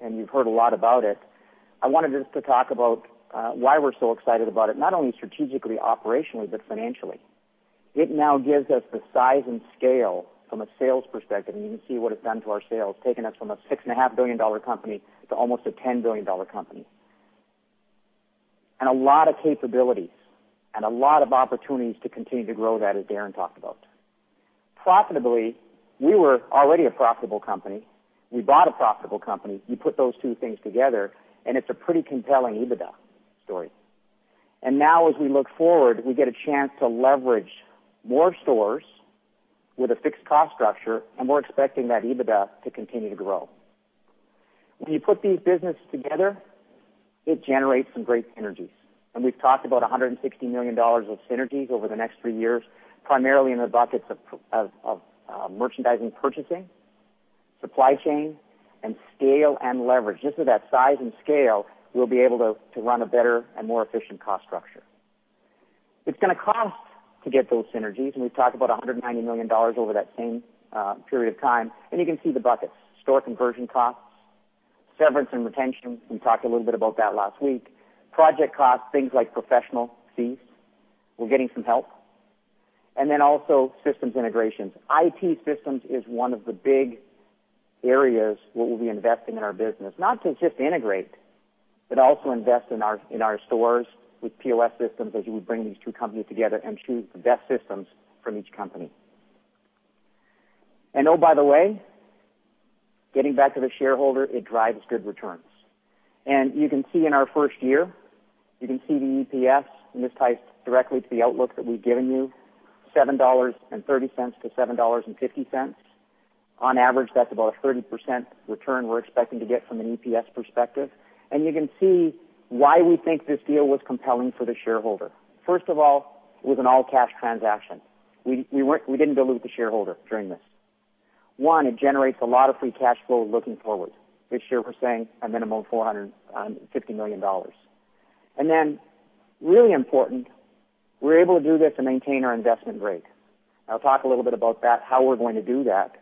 and you've heard a lot about it. I wanted just to talk about why we're so excited about it, not only strategically, operationally, but financially. It now gives us the size and scale from a sales perspective, and you can see what it's done to our sales, taking us from a $6.5 billion company to almost a $10 billion company. A lot of capabilities and a lot of opportunities to continue to grow that, as Darren talked about. Profitably, we were already a profitable company. We bought a profitable company. You put those two things together, it's a pretty compelling EBITDA story. Now as we look forward, we get a chance to leverage more stores with a fixed cost structure, and we're expecting that EBITDA to continue to grow. When you put these businesses together, it generates some great synergies. We've talked about $160 million of synergies over the next three years, primarily in the buckets of merchandising purchasing, supply chain, and scale and leverage. Just with that size and scale, we'll be able to run a better and more efficient cost structure. It's going to cost to get those synergies, we've talked about $190 million over that same period of time, and you can see the buckets. Store conversion costs, severance and retention, we talked a little bit about that last week. Project costs, things like professional fees. We're getting some help. Then also systems integrations. IT systems is one of the big areas where we'll be investing in our business, not to just integrate, but also invest in our stores with POS systems as we bring these two companies together and choose the best systems from each company. Oh, by the way, getting back to the shareholder, it drives good returns. You can see in our first year, you can see the EPS, this ties directly to the outlook that we've given you, $7.30-$7.50. On average, that's about a 30% return we're expecting to get from an EPS perspective. You can see why we think this deal was compelling for the shareholder. First of all, it was an all-cash transaction. We didn't dilute the shareholder during this. One, it generates a lot of free cash flow looking forward. This year, we're saying a minimum of $450 million. Then really important, we were able to do this and maintain our investment grade. I'll talk a little bit about that, how we're going to do that.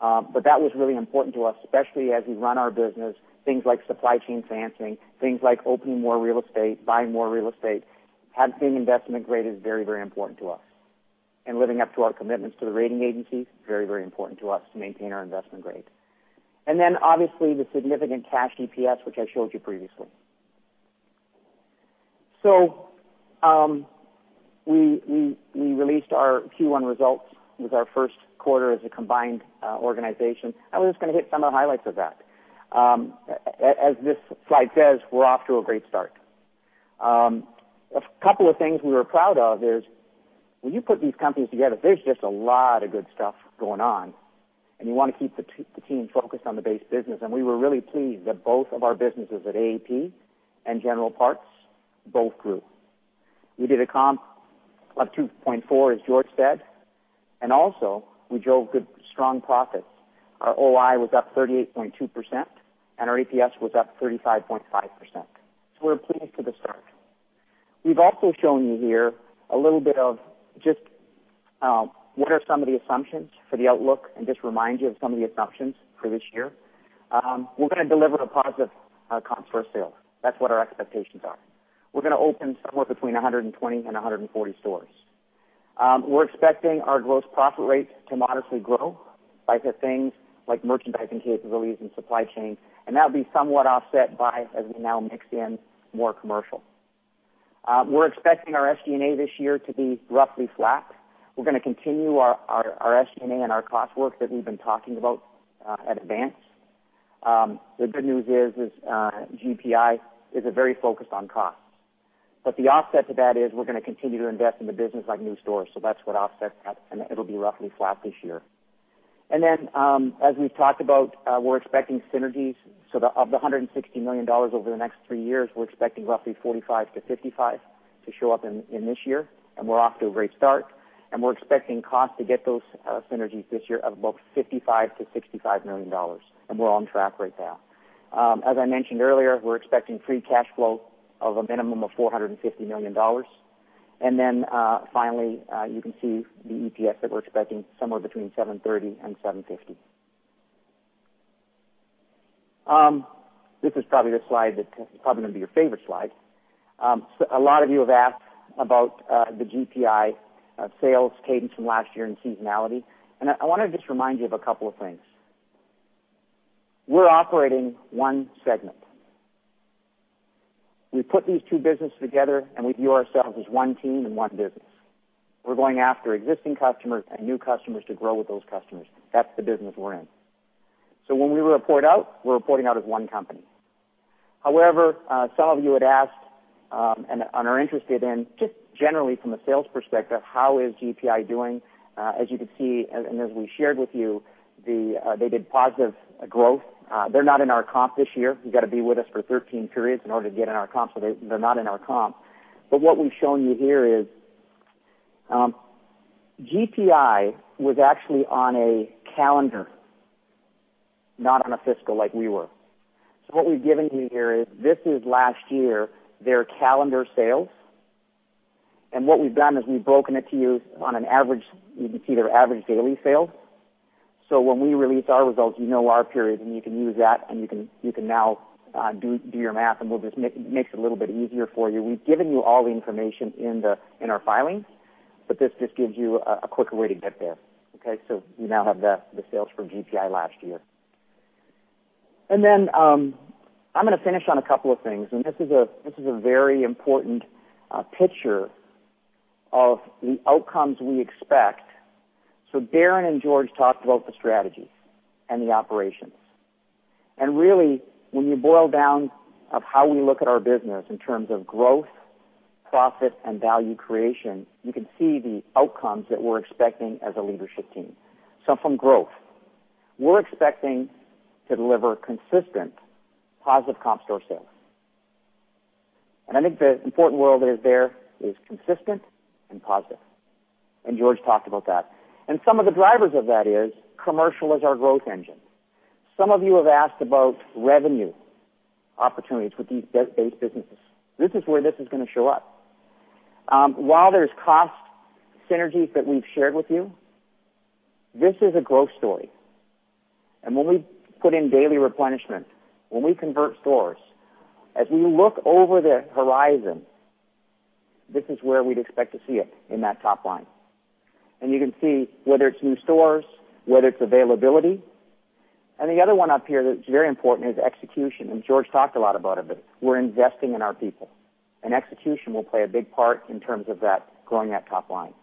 That was really important to us, especially as we run our business, things like supply chain financing, things like opening more real estate, buying more real estate, having investment grade is very important to us. Living up to our commitments to the rating agencies, very, very important to us to maintain our investment grade. Then obviously, the significant cash EPS, which I showed you previously. We released our Q1 results. It was our first quarter as a combined organization. I was going to hit some of the highlights of that. As this slide says, we're off to a great start. A couple of things we were proud of is when you put these companies together, there's just a lot of good stuff going on, and you want to keep the team focused on the base business. We were really pleased that both of our businesses at AAP and General Parts both grew. We did a comp of 2.4, as George said, also we drove good, strong profits. Our OI was up 38.2%, and our EPS was up 35.5%. We're pleased with the start. We've also shown you here a little bit of just what are some of the assumptions for the outlook and just remind you of some of the assumptions for this year. We're going to deliver a positive comp store sales. That's what our expectations are. We're going to open somewhere between 120 and 140 stores. We're expecting our gross profit rate to modestly grow by the things like merchandising capabilities and supply chain, that'll be somewhat offset by, as we now mix in more commercial. We're expecting our SG&A this year to be roughly flat. We're going to continue our SG&A and our cost work that we've been talking about at Advance. The good news is, GPI is very focused on cost. The offset to that is we're going to continue to invest in the business, like new stores. That's what offsets that, and it'll be roughly flat this year. As we've talked about, we're expecting synergies. Of the $160 million over the next three years, we're expecting roughly $45 to $55 to show up in this year. We're off to a great start. We're expecting cost to get those synergies this year of about $55 to $65 million. We're on track right now. As I mentioned earlier, we're expecting free cash flow of a minimum of $450 million. Finally, you can see the EPS that we're expecting somewhere between $7.30 and $7.50. This is probably the slide that's probably going to be your favorite slide. A lot of you have asked about the GPI sales cadence from last year and seasonality. I want to just remind you of a couple of things. We're operating one segment. We put these two businesses together, and we view ourselves as one team and one business. We're going after existing customers and new customers to grow with those customers. That's the business we're in. When we report out, we're reporting out as one company. However, some of you had asked and are interested in, just generally from a sales perspective, how is GPI doing? As you can see, as we shared with you, they did positive growth. They're not in our comp this year. You got to be with us for 13 periods in order to get in our comp. They're not in our comp. What we've shown you here is GPI was actually on a calendar, not on a fiscal like we were. What we've given you here is, this is last year, their calendar sales. What we've done is we've broken it to you on an average. You can see their average daily sales. When we release our results, you know our periods, and you can use that, and you can now do your math, and we'll just make it a little bit easier for you. We've given you all the information in our filings, but this just gives you a quicker way to get there. Okay? You now have the sales for GPI last year. I'm going to finish on a couple of things, this is a very important picture of the outcomes we expect. Darren and George talked about the strategy and the operations. Really, when you boil down of how we look at our business in terms of growth, profit, and value creation, you can see the outcomes that we're expecting as a leadership team. From growth, we're expecting to deliver consistent positive comp store sales. I think the important word there is consistent and positive. George talked about that. Some of the drivers of that is commercial is our growth engine. Some of you have asked about revenue opportunities with these base businesses. This is where this is going to show up. While there's cost synergies that we've shared with you, this is a growth story. When we put in daily replenishment, when we convert stores, as we look over the horizon, this is where we'd expect to see it in that top line. You can see whether it's new stores, whether it's availability. The other one up here that's very important is execution, and George talked a lot about it, but we're investing in our people, and execution will play a big part in terms of that growing that top line.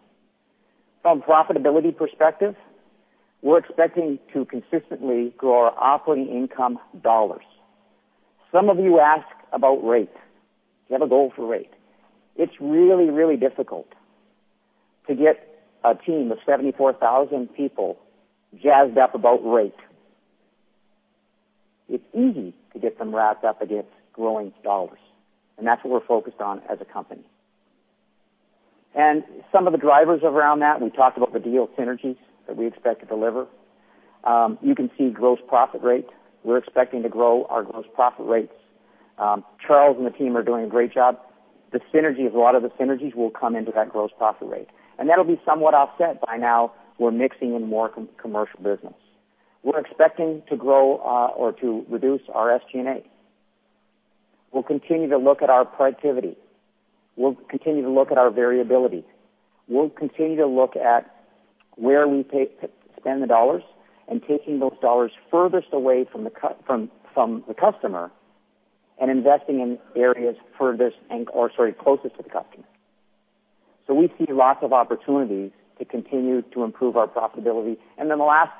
From profitability perspective, we're expecting to consistently grow our operating income dollars. Some of you ask about rate. Do you have a goal for rate? It's really, really difficult to get a team of 74,000 people jazzed up about rate. It's easy to get them wrapped up against growing dollars, and that's what we're focused on as a company. Some of the drivers around that, we talked about the deal synergies that we expect to deliver. You can see gross profit rates. We're expecting to grow our gross profit rates. Charles and the team are doing a great job. A lot of the synergies will come into that gross profit rate. That'll be somewhat offset by now we're mixing in more commercial business. We're expecting to grow or to reduce our SG&A. We'll continue to look at our productivity. We'll continue to look at our variability. We'll continue to look at where we spend the dollars and taking those dollars furthest away from the customer and investing in areas closest to the customer. We see lots of opportunities to continue to improve our profitability. The last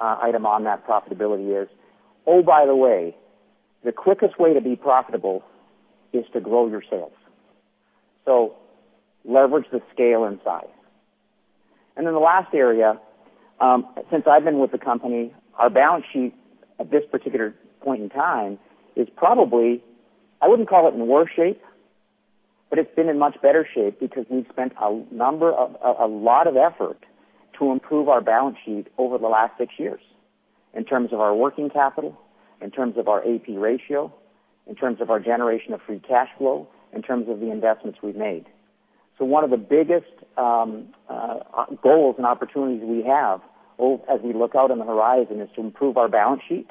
item on that profitability is, oh, by the way, the quickest way to be profitable is to grow your sales. Leverage the scale and size. The last area, since I've been with the company, our balance sheet at this particular point in time is probably, I wouldn't call it in worse shape, but it's been in much better shape because we've spent a lot of effort to improve our balance sheet over the last six years, in terms of our working capital, in terms of our AP ratio, in terms of our generation of free cash flow, in terms of the investments we've made. One of the biggest goals and opportunities we have as we look out on the horizon is to improve our balance sheet,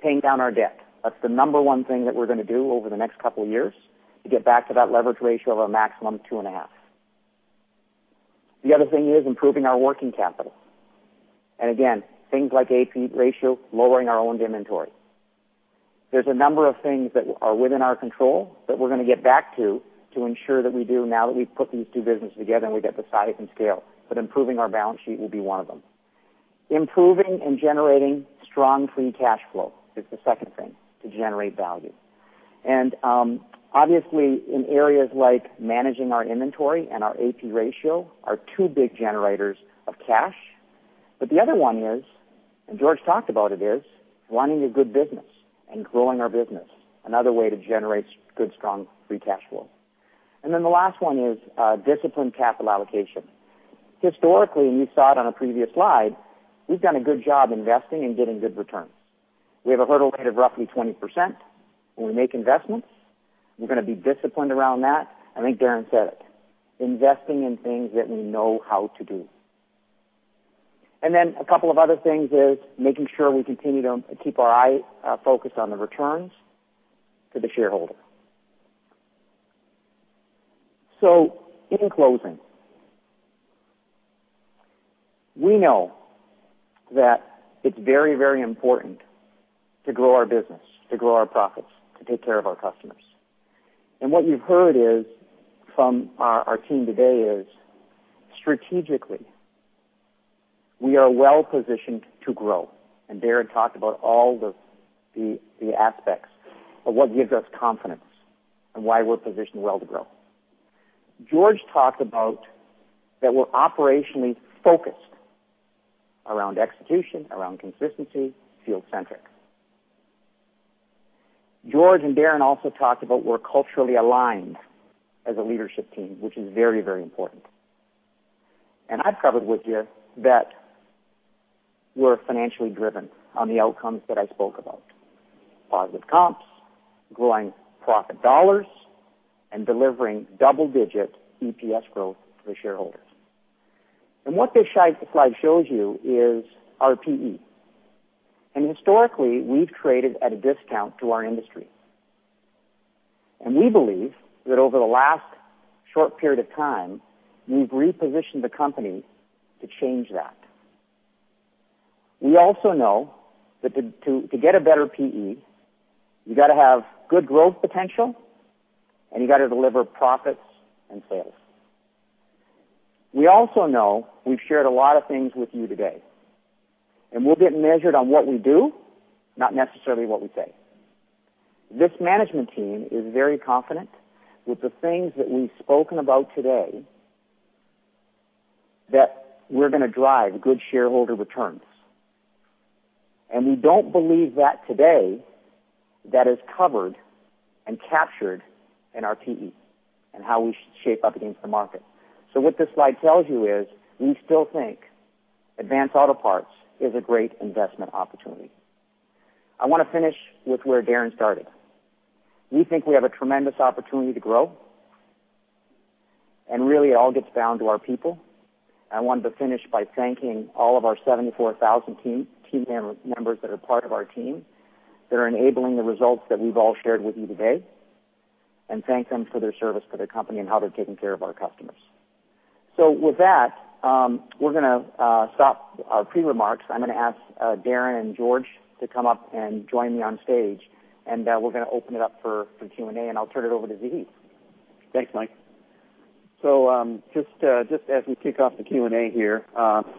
paying down our debt. That's the number one thing that we're going to do over the next couple of years to get back to that leverage ratio of a maximum two and a half. The other thing is improving our working capital. Things like AP ratio, lowering our own inventory. There's a number of things that are within our control that we're going to get back to ensure that we do now that we've put these two business together and we get the size and scale, improving our balance sheet will be one of them. Improving and generating strong free cash flow is the second thing to generate value. Obviously, in areas like managing our inventory and our AP ratio are two big generators of cash. The other one is, and George talked about it is, running a good business and growing our business, another way to generate good, strong free cash flow. Then the last one is, disciplined capital allocation. Historically, and you saw it on a previous slide, we've done a good job investing and getting good returns. We have a hurdle rate of roughly 20%. When we make investments, we're going to be disciplined around that. I think Darren said it, investing in things that we know how to do. Then a couple of other things is making sure we continue to keep our eye focused on the returns to the shareholder. In closing, we know that it's very, very important to grow our business, to grow our profits, to take care of our customers. What you've heard from our team today is strategically, we are well-positioned to grow, and Darren talked about all the aspects of what gives us confidence and why we're positioned well to grow. George talked about that we're operationally focused around execution, around consistency, field-centric. George and Darren also talked about we're culturally aligned as a leadership team, which is very, very important. I've covered with you that we're financially driven on the outcomes that I spoke about. Positive comps, growing profit dollars, and delivering double-digit EPS growth for the shareholders. What this slide shows you is our PE. Historically, we've traded at a discount to our industry. We believe that over the last short period of time, we've repositioned the company to change that. We also know that to get a better PE, you got to have good growth potential, and you got to deliver profits and sales. We also know we've shared a lot of things with you today, and we'll get measured on what we do, not necessarily what we say. This management team is very confident with the things that we've spoken about today, that we're going to drive good shareholder returns. We don't believe that today, that is covered and captured in our PE and how we shape up against the market. What this slide tells you is we still think Advance Auto Parts is a great investment opportunity. I want to finish with where Darren started. We think we have a tremendous opportunity to grow and really it all gets down to our people. I wanted to finish by thanking all of our 74,000 team members that are part of our team. They're enabling the results that we've all shared with you today, and thank them for their service for their company and how they're taking care of our customers. With that, we're going to stop our pre-remarks. I'm going to ask Darren and George to come up and join me on stage, and we're going to open it up for Q&A, and I'll turn it over to Zaheed. Thanks, Mike. Just as we kick off the Q&A here,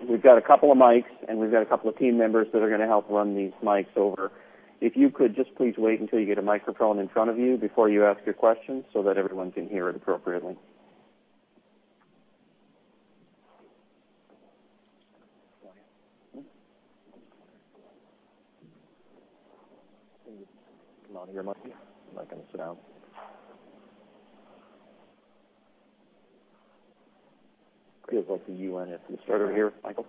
we've got a couple of mics and we've got a couple of team members that are going to help run these mics over. If you could just please wait until you get a microphone in front of you before you ask your question so that everyone can hear it appropriately. Come on here, Mike. You're not going to sit down. Could as well see you and if we start over here, Michael.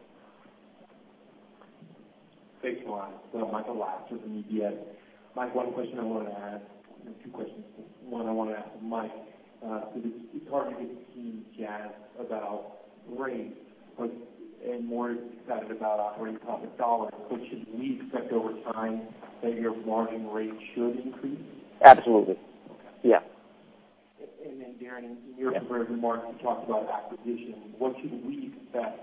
Thanks, guys. Michael Lasser with the UBS. Mike, one question I wanted to ask. Two questions. One, I want to ask Mike, you targeted team jazz about rate, and more excited about operating profit dollars. Should we expect over time that your margin rate should increase? Absolutely. Okay. Yeah. Darren, in your prepared remarks, you talked about acquisition. What should we expect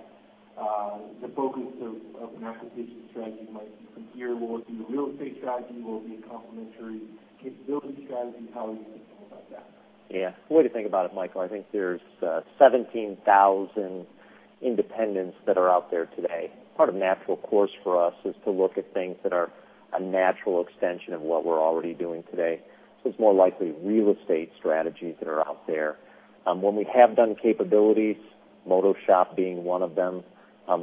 the focus of an acquisition strategy might be from here? Will it be a real estate strategy? Will it be a complementary capability strategy? How are you thinking about that? Yeah. The way to think about it, Michael, I think there's 17,000 independents that are out there today. Part of natural course for us is to look at things that are a natural extension of what we're already doing today. It's more likely real estate strategies that are out there. When we have done capabilities, MotoShop being one of them,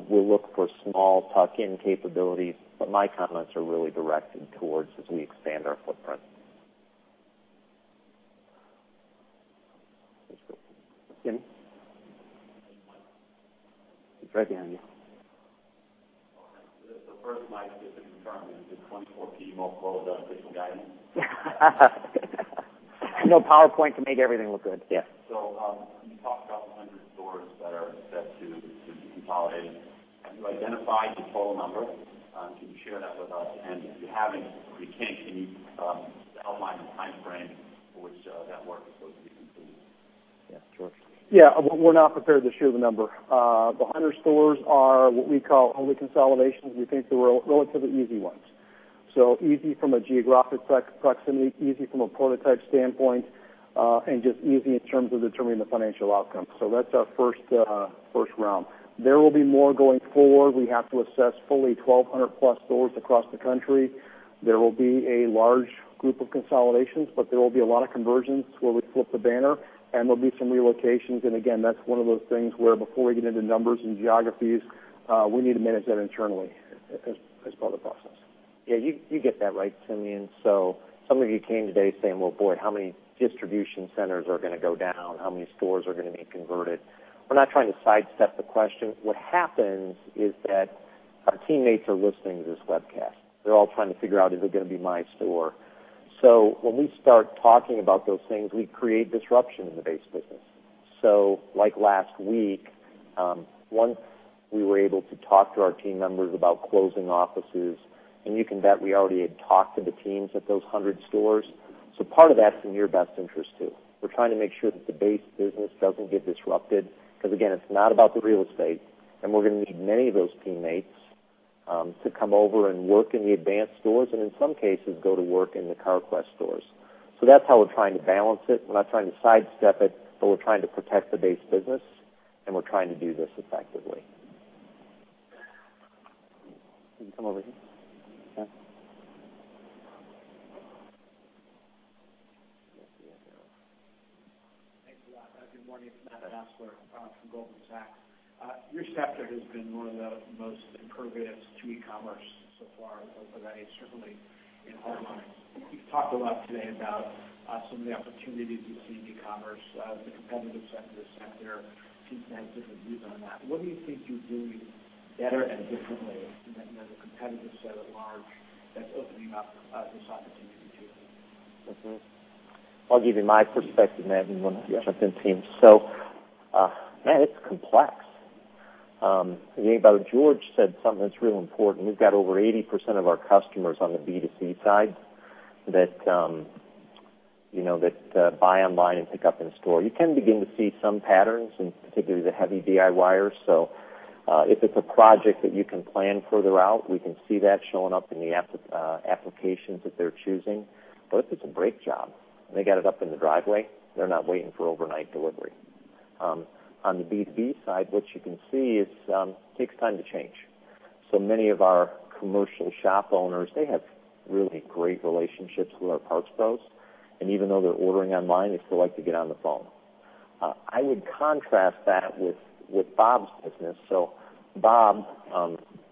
we'll look for small tuck-in capabilities, but my comments are really directed towards as we expand our footprint. Next question. Jimmy? He's right behind you. Okay. First, Mike, just to confirm, is this 24 P multiple the official guidance? No PowerPoint can make everything look good. Yeah. You talked about the 100 stores that are set to be consolidated. Have you identified the total number? Can you share that with us? If you haven't or you can't, can you outline the timeframe for which that work is supposed to be completed? Yeah, sure. Yeah. We're not prepared to share the number. The 100 stores are what we call holy consolidations. We think they were relatively easy ones. Easy from a geographic proximity, easy from a prototype standpoint, and just easy in terms of determining the financial outcome. That's our first round. There will be more going forward. We have to assess fully 1,200-plus stores across the country. There will be a large group of consolidations, but there will be a lot of conversions where we flip the banner, and there'll be some relocations. Again, that's one of those things where before we get into numbers and geographies, we need to manage that internally as part of the process. Yeah, you get that right, Jimmy. Some of you came today saying, "Well, boy, how many distribution centers are going to go down? How many stores are going to be converted?" We're not trying to sidestep the question. What happens is that our teammates are listening to this webcast. They're all trying to figure out, "Is it going to be my store?" When we start talking about those things, we create disruption in the base business. Like last week, once we were able to talk to our team members about closing offices, and you can bet we already had talked to the teams at those 100 stores. Part of that's in your best interest, too. We're trying to make sure that the base business doesn't get disrupted because, again, it's not about the real estate, and we're going to need many of those teammates to come over and work in the Advance stores, and in some cases, go to work in the Carquest stores. That's how we're trying to balance it. We're not trying to sidestep it, we're trying to protect the base business, and we're trying to do this effectively. Can you come over here? Yeah. Thanks a lot. Good morning. Matt Fassler from Goldman Sachs. Your sector has been one of the most impervious to e-commerce so far over the years, certainly in hard lines. You've talked a lot today about some of the opportunities you see in e-commerce. The competitive set in the sector seems to have different views on that. What do you think you're doing better and differently than the competitive set at large that's opening up this opportunity to you? Mm-hmm. I'll give you my perspective, Matt, you want to jump in, team. Matt, it's complex. George said something that's real important. We've got over 80% of our customers on the B2C side that buy online and pick up in store. You can begin to see some patterns, in particular the heavy DIYer. If it's a project that you can plan further out, we can see that showing up in the applications that they're choosing. If it's a brake job and they got it up in the driveway, they're not waiting for overnight delivery. On the B2B side, what you can see is it takes time to change. Many of our commercial shop owners, they have really great relationships with our parts pros, and even though they're ordering online, they still like to get on the phone. I would contrast that with Bob's business. Bob,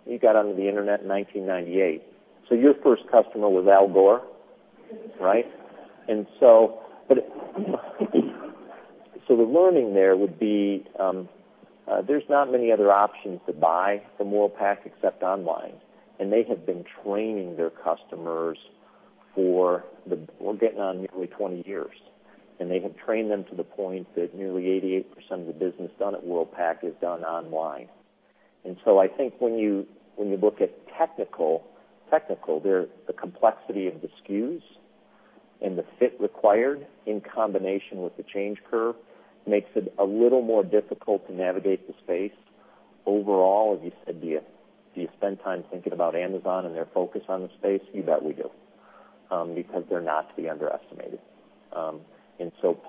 you got onto the internet in 1998. Your first customer was Al Gore, right? The learning there would be there's not many other options to buy from Worldpac except online, and they have been training their customers for, we're getting on nearly 20 years. They have trained them to the point that nearly 88% of the business done at Worldpac is done online. I think when you look at technical, the complexity of the SKUs and the fit required in combination with the change curve makes it a little more difficult to navigate the space. Overall, as you said, do you spend time thinking about Amazon and their focus on the space? You bet we do, because they're not to be underestimated.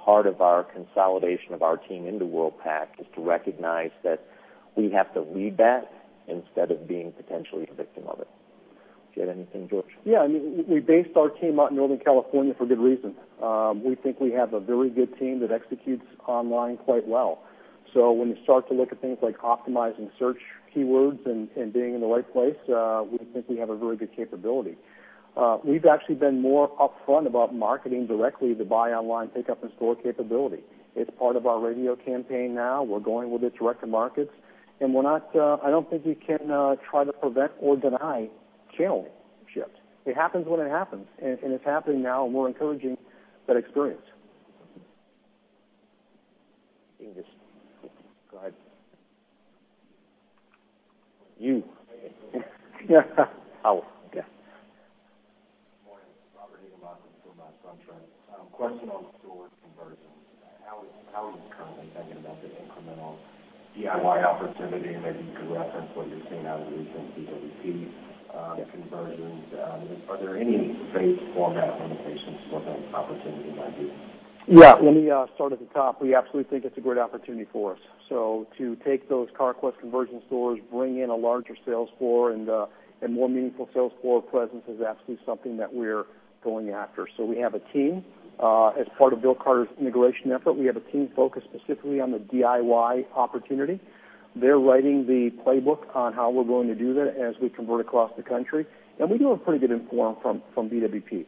Part of our consolidation of our team into Worldpac is to recognize that we have to lead that instead of being potentially a victim of it. Do you have anything, George? Yeah, we based our team out in Northern California for good reason. We think we have a very good team that executes online quite well. When you start to look at things like optimizing search keywords and being in the right place, we think we have a very good capability. We've actually been more up front about marketing directly the buy online pickup in-store capability. It's part of our radio campaign now. We're going with it to record markets, and I don't think you can try to prevent or deny channel shifts. It happens when it happens, and it's happening now more encouraging than experienced. You can just go ahead. You. Oh, okay. Good morning. Robert Hyman with Goldman Sachs. Question on store conversions. How are you currently thinking about the incremental DIY opportunity? Maybe you could reference what you're seeing out of recent B2B conversions. Are there any space or map limitations for the opportunity you might be in? Yeah. Let me start at the top. We absolutely think it's a great opportunity for us. To take those Carquest conversion stores, bring in a larger sales floor and more meaningful sales floor presence is absolutely something that we're going after. We have a team as part of Bill Carter's integration effort, we have a team focused specifically on the DIY opportunity. They're writing the playbook on how we're going to do that as we convert across the country. We do have pretty good info from B2B.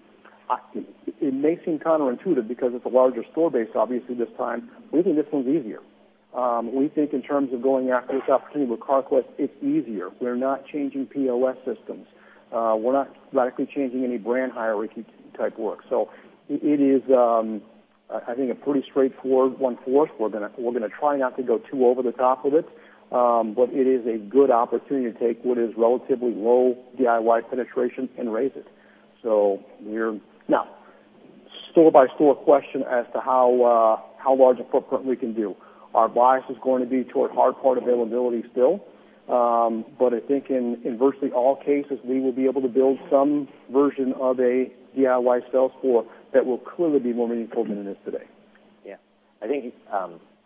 It may seem counterintuitive because it's a larger store base, obviously, this time. We think it's easier. We think in terms of going after a comparable Carquest, it's easier. We're not changing POS systems. We're not radically changing any brand hierarchy type work. It is, I think, a pretty straightforward one for us. We're going to try not to go too over the top with it. It is a good opportunity to take what is relatively low DIY penetration and raise it. Store-by-store question as to how large a footprint we can do, our box is going to be toward hard part availability still. I think in virtually all cases, we will be able to build some version of a DIY sales floor that will clearly be more meaningful than it is today. Yeah. I think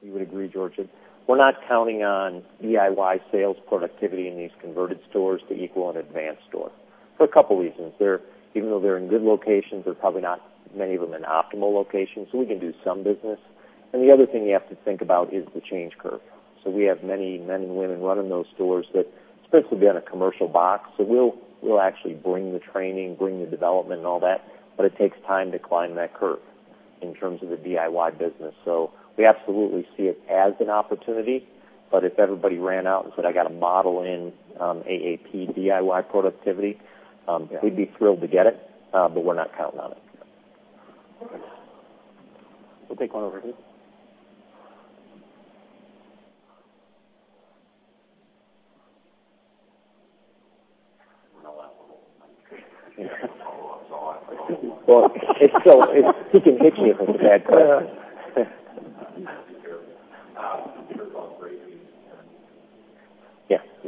you would agree, George, that we're not counting on DIY sales productivity in these converted stores to equal an Advance store for a couple reasons. Even though they're in good locations, they're probably not, many of them, in optimal locations. We can do some business. The other thing you have to think about is the change curve. We have many men and women running those stores that are supposed to be on a commercial box. We'll actually bring the training, bring the development and all that, but it takes time to climb that curve in terms of the DIY business. We absolutely see it as an opportunity. If everybody ran out and said, "I got to model in AAP DIY productivity," we'd be thrilled to get it, but we're not counting on it. Okay. We'll take one over here. We're not NAPA. Well, he can hit you if it's a bad question.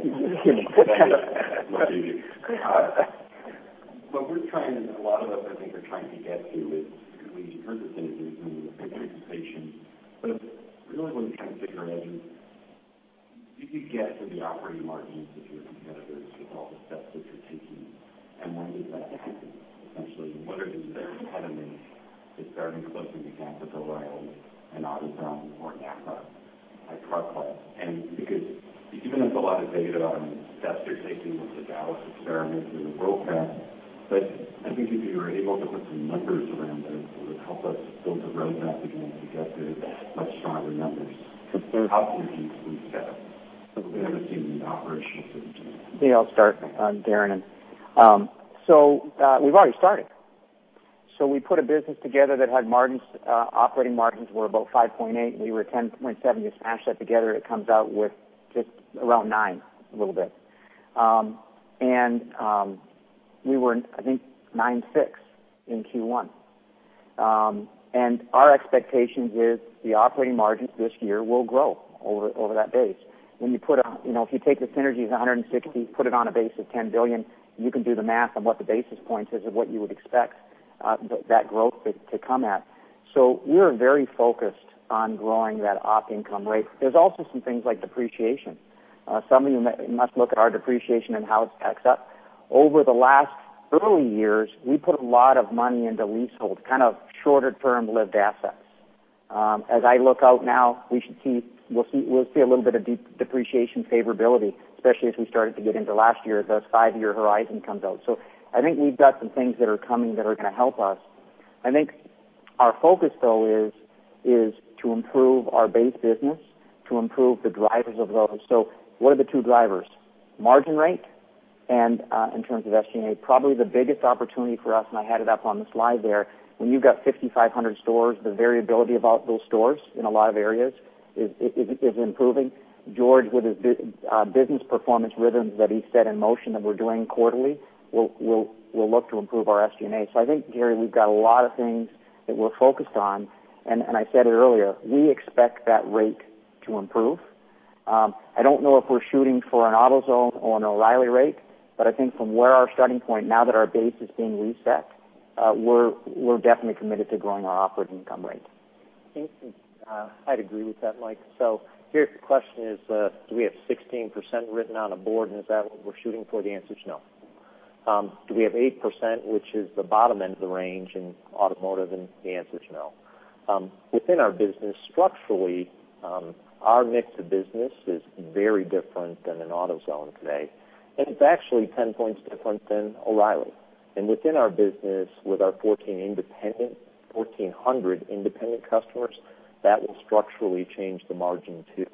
I think you're on great TV, Darren. Yeah. What a lot of us, I think, are trying to get to is, we heard the synergies and the expectation, but really what we're trying to figure out is, do you get to the operating margins of your competitors with all the steps that you're taking? When does that happen, essentially? What are the biggest impediments to starting to closely match with O'Reilly and AutoZone or NAPA at Carquest? Because even though there's a lot of data on the steps you're taking with the Dallas experiment through the program, but I think if you were able to put some numbers around those, it would help us build the roadmap again to get to much stronger numbers. Because they're opportunities when you said it. We haven't seen the operational certainty. Yeah, I'll start, Darren. We've already started. We put a business together that had operating margins were about 5.8%, and we were 10.7%. You smash that together, it comes out with just around 9, a little bit. We were, I think, 9.6% in Q1. Our expectation is the operating margins this year will grow over that base. If you take the synergies of $160 million, put it on a base of $10 billion, you can do the math on what the basis points is of what you would expect that growth to come at. We're very focused on growing that op income rate. There's also some things like depreciation. Some of you must look at our depreciation and how it stacks up. Over the last early years, we put a lot of money into leasehold, kind of shorter-term lived assets. As I look out now, we'll see a little bit of depreciation favorability, especially as we started to get into last year as that five-year horizon comes out. I think we've got some things that are coming that are going to help us. I think our focus, though, is to improve our base business, to improve the drivers of growth. What are the two drivers? Margin rate and in terms of SG&A. Probably the biggest opportunity for us, and I had it up on the slide there, when you've got 5,500 stores, the variability about those stores in a lot of areas is improving. George, with his business performance rhythms that he set in motion that we're doing quarterly, we'll look to improve our SG&A. I think, Gary, we've got a lot of things that we're focused on. I said it earlier, we expect that rate to improve. I don't know if we're shooting for an AutoZone or an O'Reilly rate, but I think from where our starting point now that our base is being reset, we're definitely committed to growing our operating income rate. Thank you. I'd agree with that, Mike. Gary, if your question is, do we have 16% written on a board, and is that what we're shooting for? The answer is no. Do we have 8%, which is the bottom end of the range in automotive? The answer is no. Within our business, structurally, our mix of business is very different than an AutoZone today. It's actually 10 points different than O'Reilly. Within our business, with our 1,400 independent customers, that will structurally change the margin, too.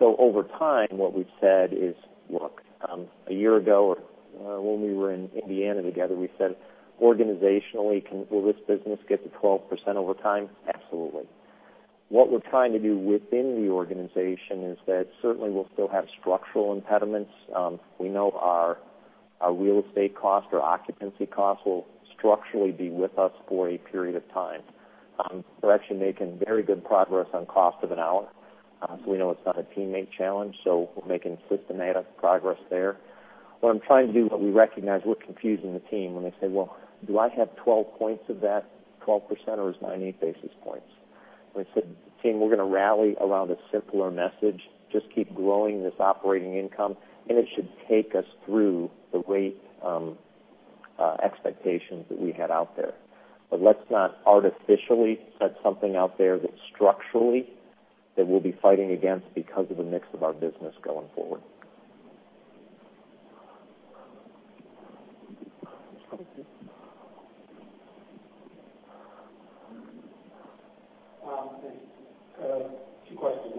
Over time, what we've said is, look, a year ago or when we were in Indiana together, we said, organizationally, will this business get to 12% over time? Absolutely. What we're trying to do within the organization is that certainly we'll still have structural impediments. We know our real estate cost, our occupancy cost, will structurally be with us for a period of time. We're actually making very good progress on cost of an hour. We know it's not a teammate challenge, so we're making systematic progress there. What I'm trying to do, we recognize we're confusing the team when they say, "Well, do I have 12 points of that, 12%, or is it 98 basis points?" We said, "Team, we're going to rally around a simpler message. Just keep growing this operating income, it should take us through the rate expectations that we had out there. Let's not artificially set something out there that structurally that we'll be fighting against because of the mix of our business going forward.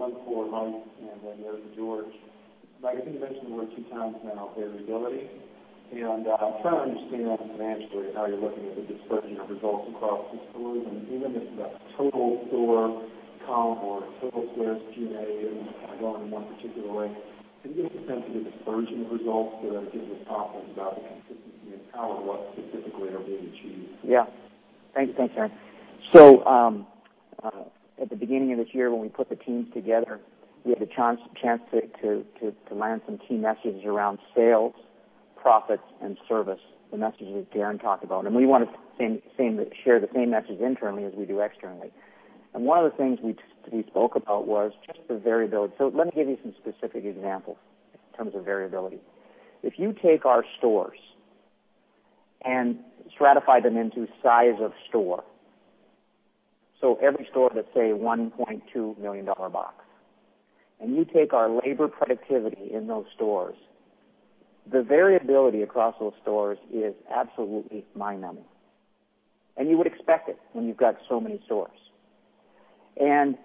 Two questions, one for Mike and then the other for George. Mike, you mentioned the word two times now, variability, and I'm trying to understand financially how you're looking at the dispersion of results across the stores and even just the total store column or total stores GMA, I don't want to go in one particular way. Can you give a sense of the dispersion of results that gives us confidence about the consistency and how and what specifically are being achieved? Thanks, Aaron. At the beginning of this year, when we put the teams together, we had the chance to land some key messages around sales, profits, and service, the messages Darren talked about. We want to share the same message internally as we do externally. One of the things we spoke about was just the variability. Let me give you some specific examples in terms of variability. If you take our stores and stratify them into size of store, every store that's, say, $1.2 million box, and you take our labor productivity in those stores, the variability across those stores is absolutely mind-numbing. You would expect it when you've got so many stores. In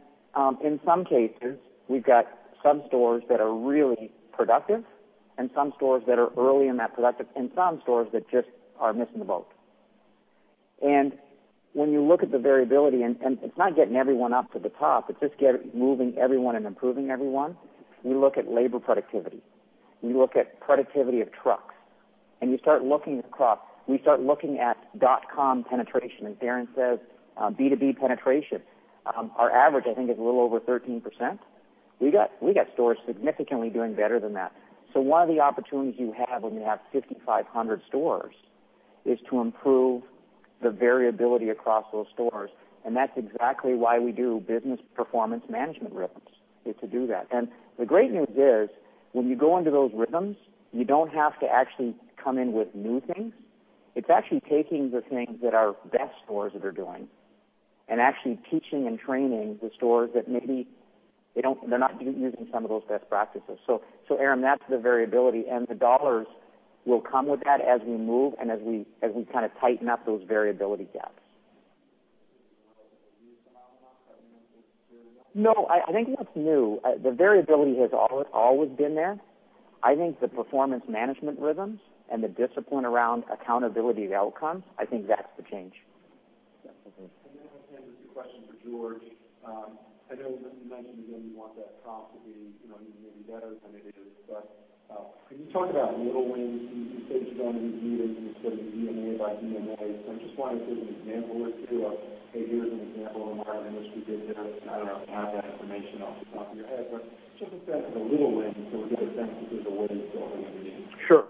some cases, we've got some stores that are really productive and some stores that are early in that productive, and some stores that just are missing the boat. When you look at the variability, and it's not getting everyone up to the top, it's just moving everyone and improving everyone. We look at labor productivity. We look at productivity of trucks, and we start looking at the crop. We start looking at dot com penetration, as Darren says, B2B penetration. Our average, I think, is a little over 13%. We got stores significantly doing better than that. One of the opportunities you have when you have 5,500 stores is to improve the variability across those stores, and that's exactly why we do business performance management rhythms, is to do that. The great news is when you go into those rhythms, you don't have to actually come in with new things. It's actually taking the things that our best stores that are doing and actually teaching and training the stores that maybe they're not using some of those best practices. Aaron, that's the variability, and the dollars will come with that as we move and as we tighten up those variability gaps. Is it relatively new, the amount of variability? No, I think it's new. The variability has always been there. I think the performance management rhythms and the discipline around accountability of outcomes, I think that's the change. Okay. I have two questions for George. I know you mentioned again you want that comp to be maybe better than it is, can you talk about little wins? You said you're going to review this sort of DMA by DMA. I just want to see an example or two of, hey, here's an example of a market in which we did better. I don't know if you have that information off the top of your head, but just in terms of a little win, so we get a sense of there's a way this program is being used. Sure.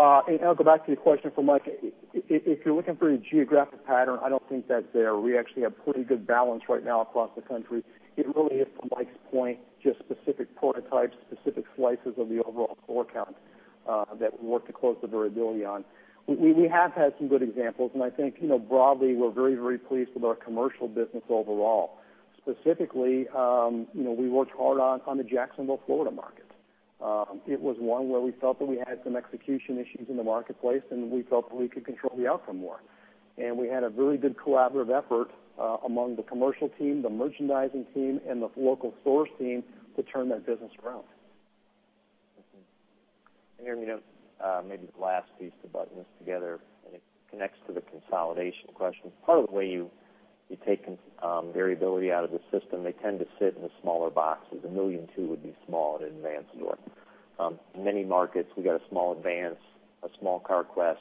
I'll go back to your question for Mike. If you're looking for a geographic pattern, I don't think that's there. We actually have pretty good balance right now across the country. It really is, to Mike's point, just specific prototypes, specific slices of the overall store count that we work to close the variability on. We have had some good examples, and I think broadly, we're very pleased with our commercial business overall. Specifically, we worked hard on the Jacksonville, Florida market. It was one where we felt that we had some execution issues in the marketplace, and we felt that we could control the outcome more. We had a really good collaborative effort among the commercial team, the merchandising team, and the local store team to turn that business around. Aaron, maybe the last piece to button this together, it connects to the consolidation question. Part of the way you've taken variability out of the system, they tend to sit in the smaller boxes. $1.2 million would be small at Advance store. Many markets, we got a small Advance, a small Carquest.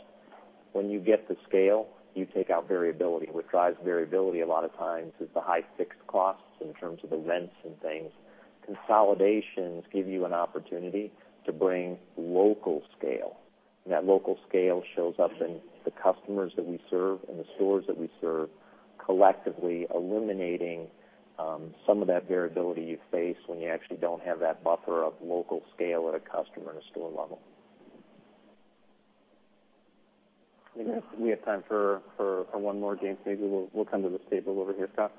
When you get the scale, you take out variability. What drives variability a lot of times is the high fixed costs in terms of the rents and things. Consolidations give you an opportunity to bring local scale. That local scale shows up in the customers that we serve and the stores that we serve, collectively eliminating some of that variability you face when you actually don't have that buffer of local scale at a customer and a store level. We have time for one more, James. Maybe we'll come to this table over here. Scott?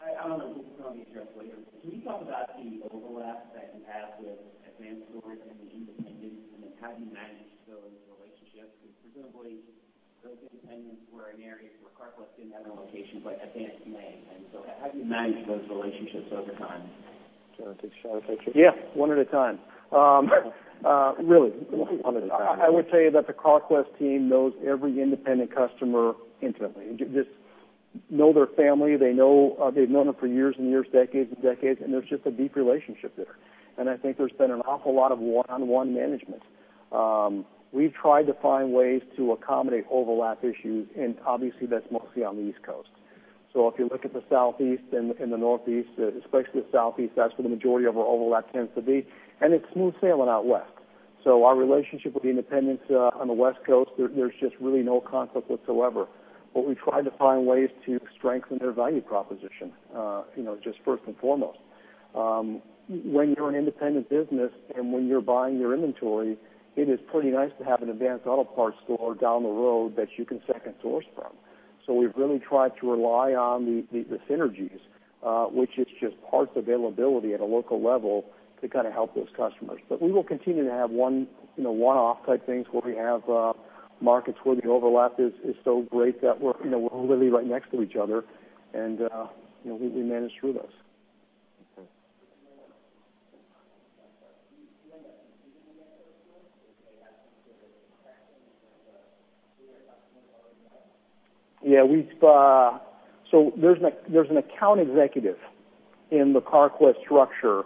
I don't know if this will be addressed later. Can you talk about the overlap that you have with Advance stores and the independents, then how do you manage those relationships? Because presumably those independents were in areas where Carquest didn't have a location, but Advance may. How do you manage those relationships over time? Should I take Charlotte? Yeah, one at a time. Really, one at a time. I would say that the Carquest team knows every independent customer intimately. They know their family. They've known them for years and years, decades and decades, there's just a deep relationship there. I think there's been an awful lot of one-on-one management. We've tried to find ways to accommodate overlap issues, and obviously, that's mostly on the East Coast. If you look at the Southeast and the Northeast, especially the Southeast, that's where the majority of our overlap tends to be, and it's smooth sailing out West. Our relationship with independents on the West Coast, there's just really no conflict whatsoever, but we try to find ways to strengthen their value proposition, just first and foremost. When you're an independent business and when you're buying your inventory, it is pretty nice to have an Advance Auto Parts store down the road that you can second source from. We've really tried to rely on the synergies, which is just parts availability at a local level to help those customers. We will continue to have one-off type things where we have markets where the overlap is so great that we're literally right next to each other, and we manage through those. Okay. There's an account executive in the Carquest structure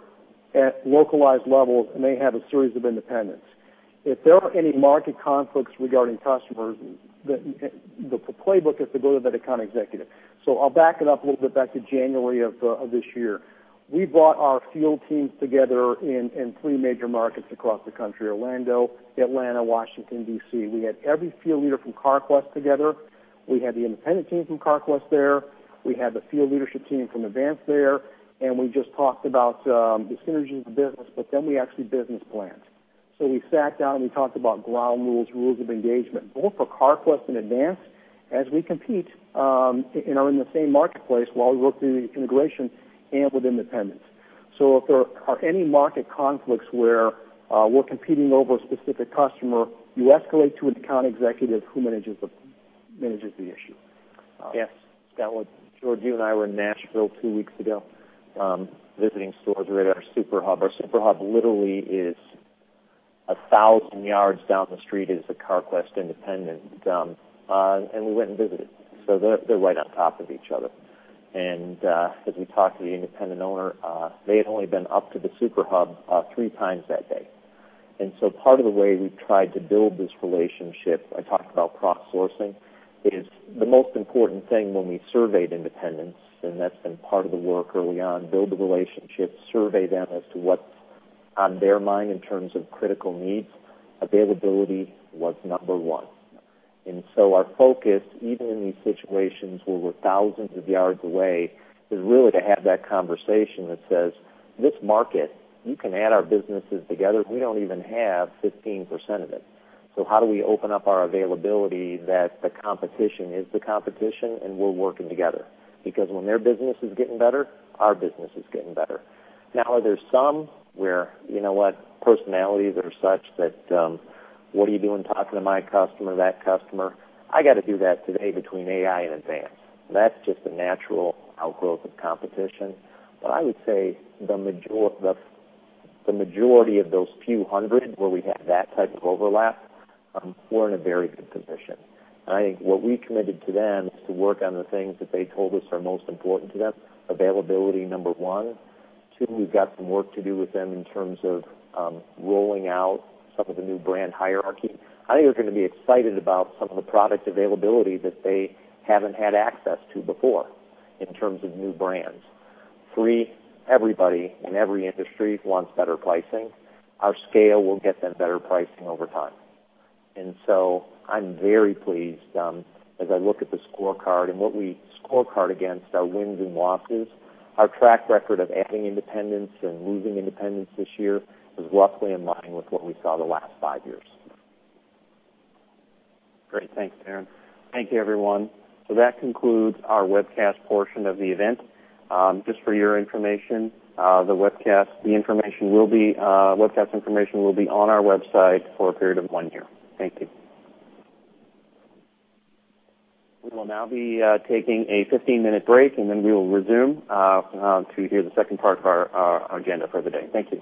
at localized levels, and they have a series of independents. If there are any market conflicts regarding customers, the playbook is to go to that account executive. I'll back it up and we'll go back to January of this year. We brought our field teams together in three major markets across the country, Orlando, Atlanta, Washington, D.C. We had every field leader from Carquest together. We had the independent team from Carquest there. We had the field leadership team from Advance there, and we just talked about the synergies of the business, then we actually business planned. We sat down and we talked about ground rules of engagement, both for Carquest and Advance. As we compete in the same marketplace while we work through the integration and with independents. If there are any market conflicts where we're competing over a specific customer, you escalate to an account executive who manages the issue. Yes, Scott, George, you and I were in Nashville two weeks ago, visiting stores. We were at our Super Hub. Our Super Hub literally is 1,000 yards down the street is the Carquest independent, and we went and visited. They're right on top of each other. As we talked to the independent owner, they had only been up to the Super Hub three times that day. Part of the way we've tried to build this relationship, I talked about cross-sourcing, is the most important thing when we surveyed independents, and that's been part of the work early on, build the relationship, survey them as to what's on their mind in terms of critical needs. Availability was number one. Our focus, even in these situations where we're thousands of yards away, is really to have that conversation that says, "This market, you can add our businesses together, we don't even have 15% of it. How do we open up our availability that the competition is the competition, and we're working together? When their business is getting better, our business is getting better." Are there some where personalities are such that, what are you doing talking to my customer, that customer? I got to do that today between AI and Advance. That's just a natural outgrowth of competition. I would say the majority of those few hundred where we have that type of overlap, we're in a very good position. I think what we committed to them is to work on the things that they told us are most important to them. Availability, number one. Two, we've got some work to do with them in terms of rolling out some of the new brand hierarchy. I think they're going to be excited about some of the product availability that they haven't had access to before in terms of new brands. Three, everybody in every industry wants better pricing. Our scale will get them better pricing over time. I'm very pleased as I look at the scorecard and what we scorecard against our wins and losses. Our track record of adding independents and losing independents this year is roughly in line with what we saw the last five years. Great. Thanks, Darren. Thank you, everyone. That concludes our webcast portion of the event. Just for your information, the webcast information will be on our website for a period of one year. Thank you. We will now be taking a 15-minute break. We will resume to hear the second part of our agenda for the day. Thank you.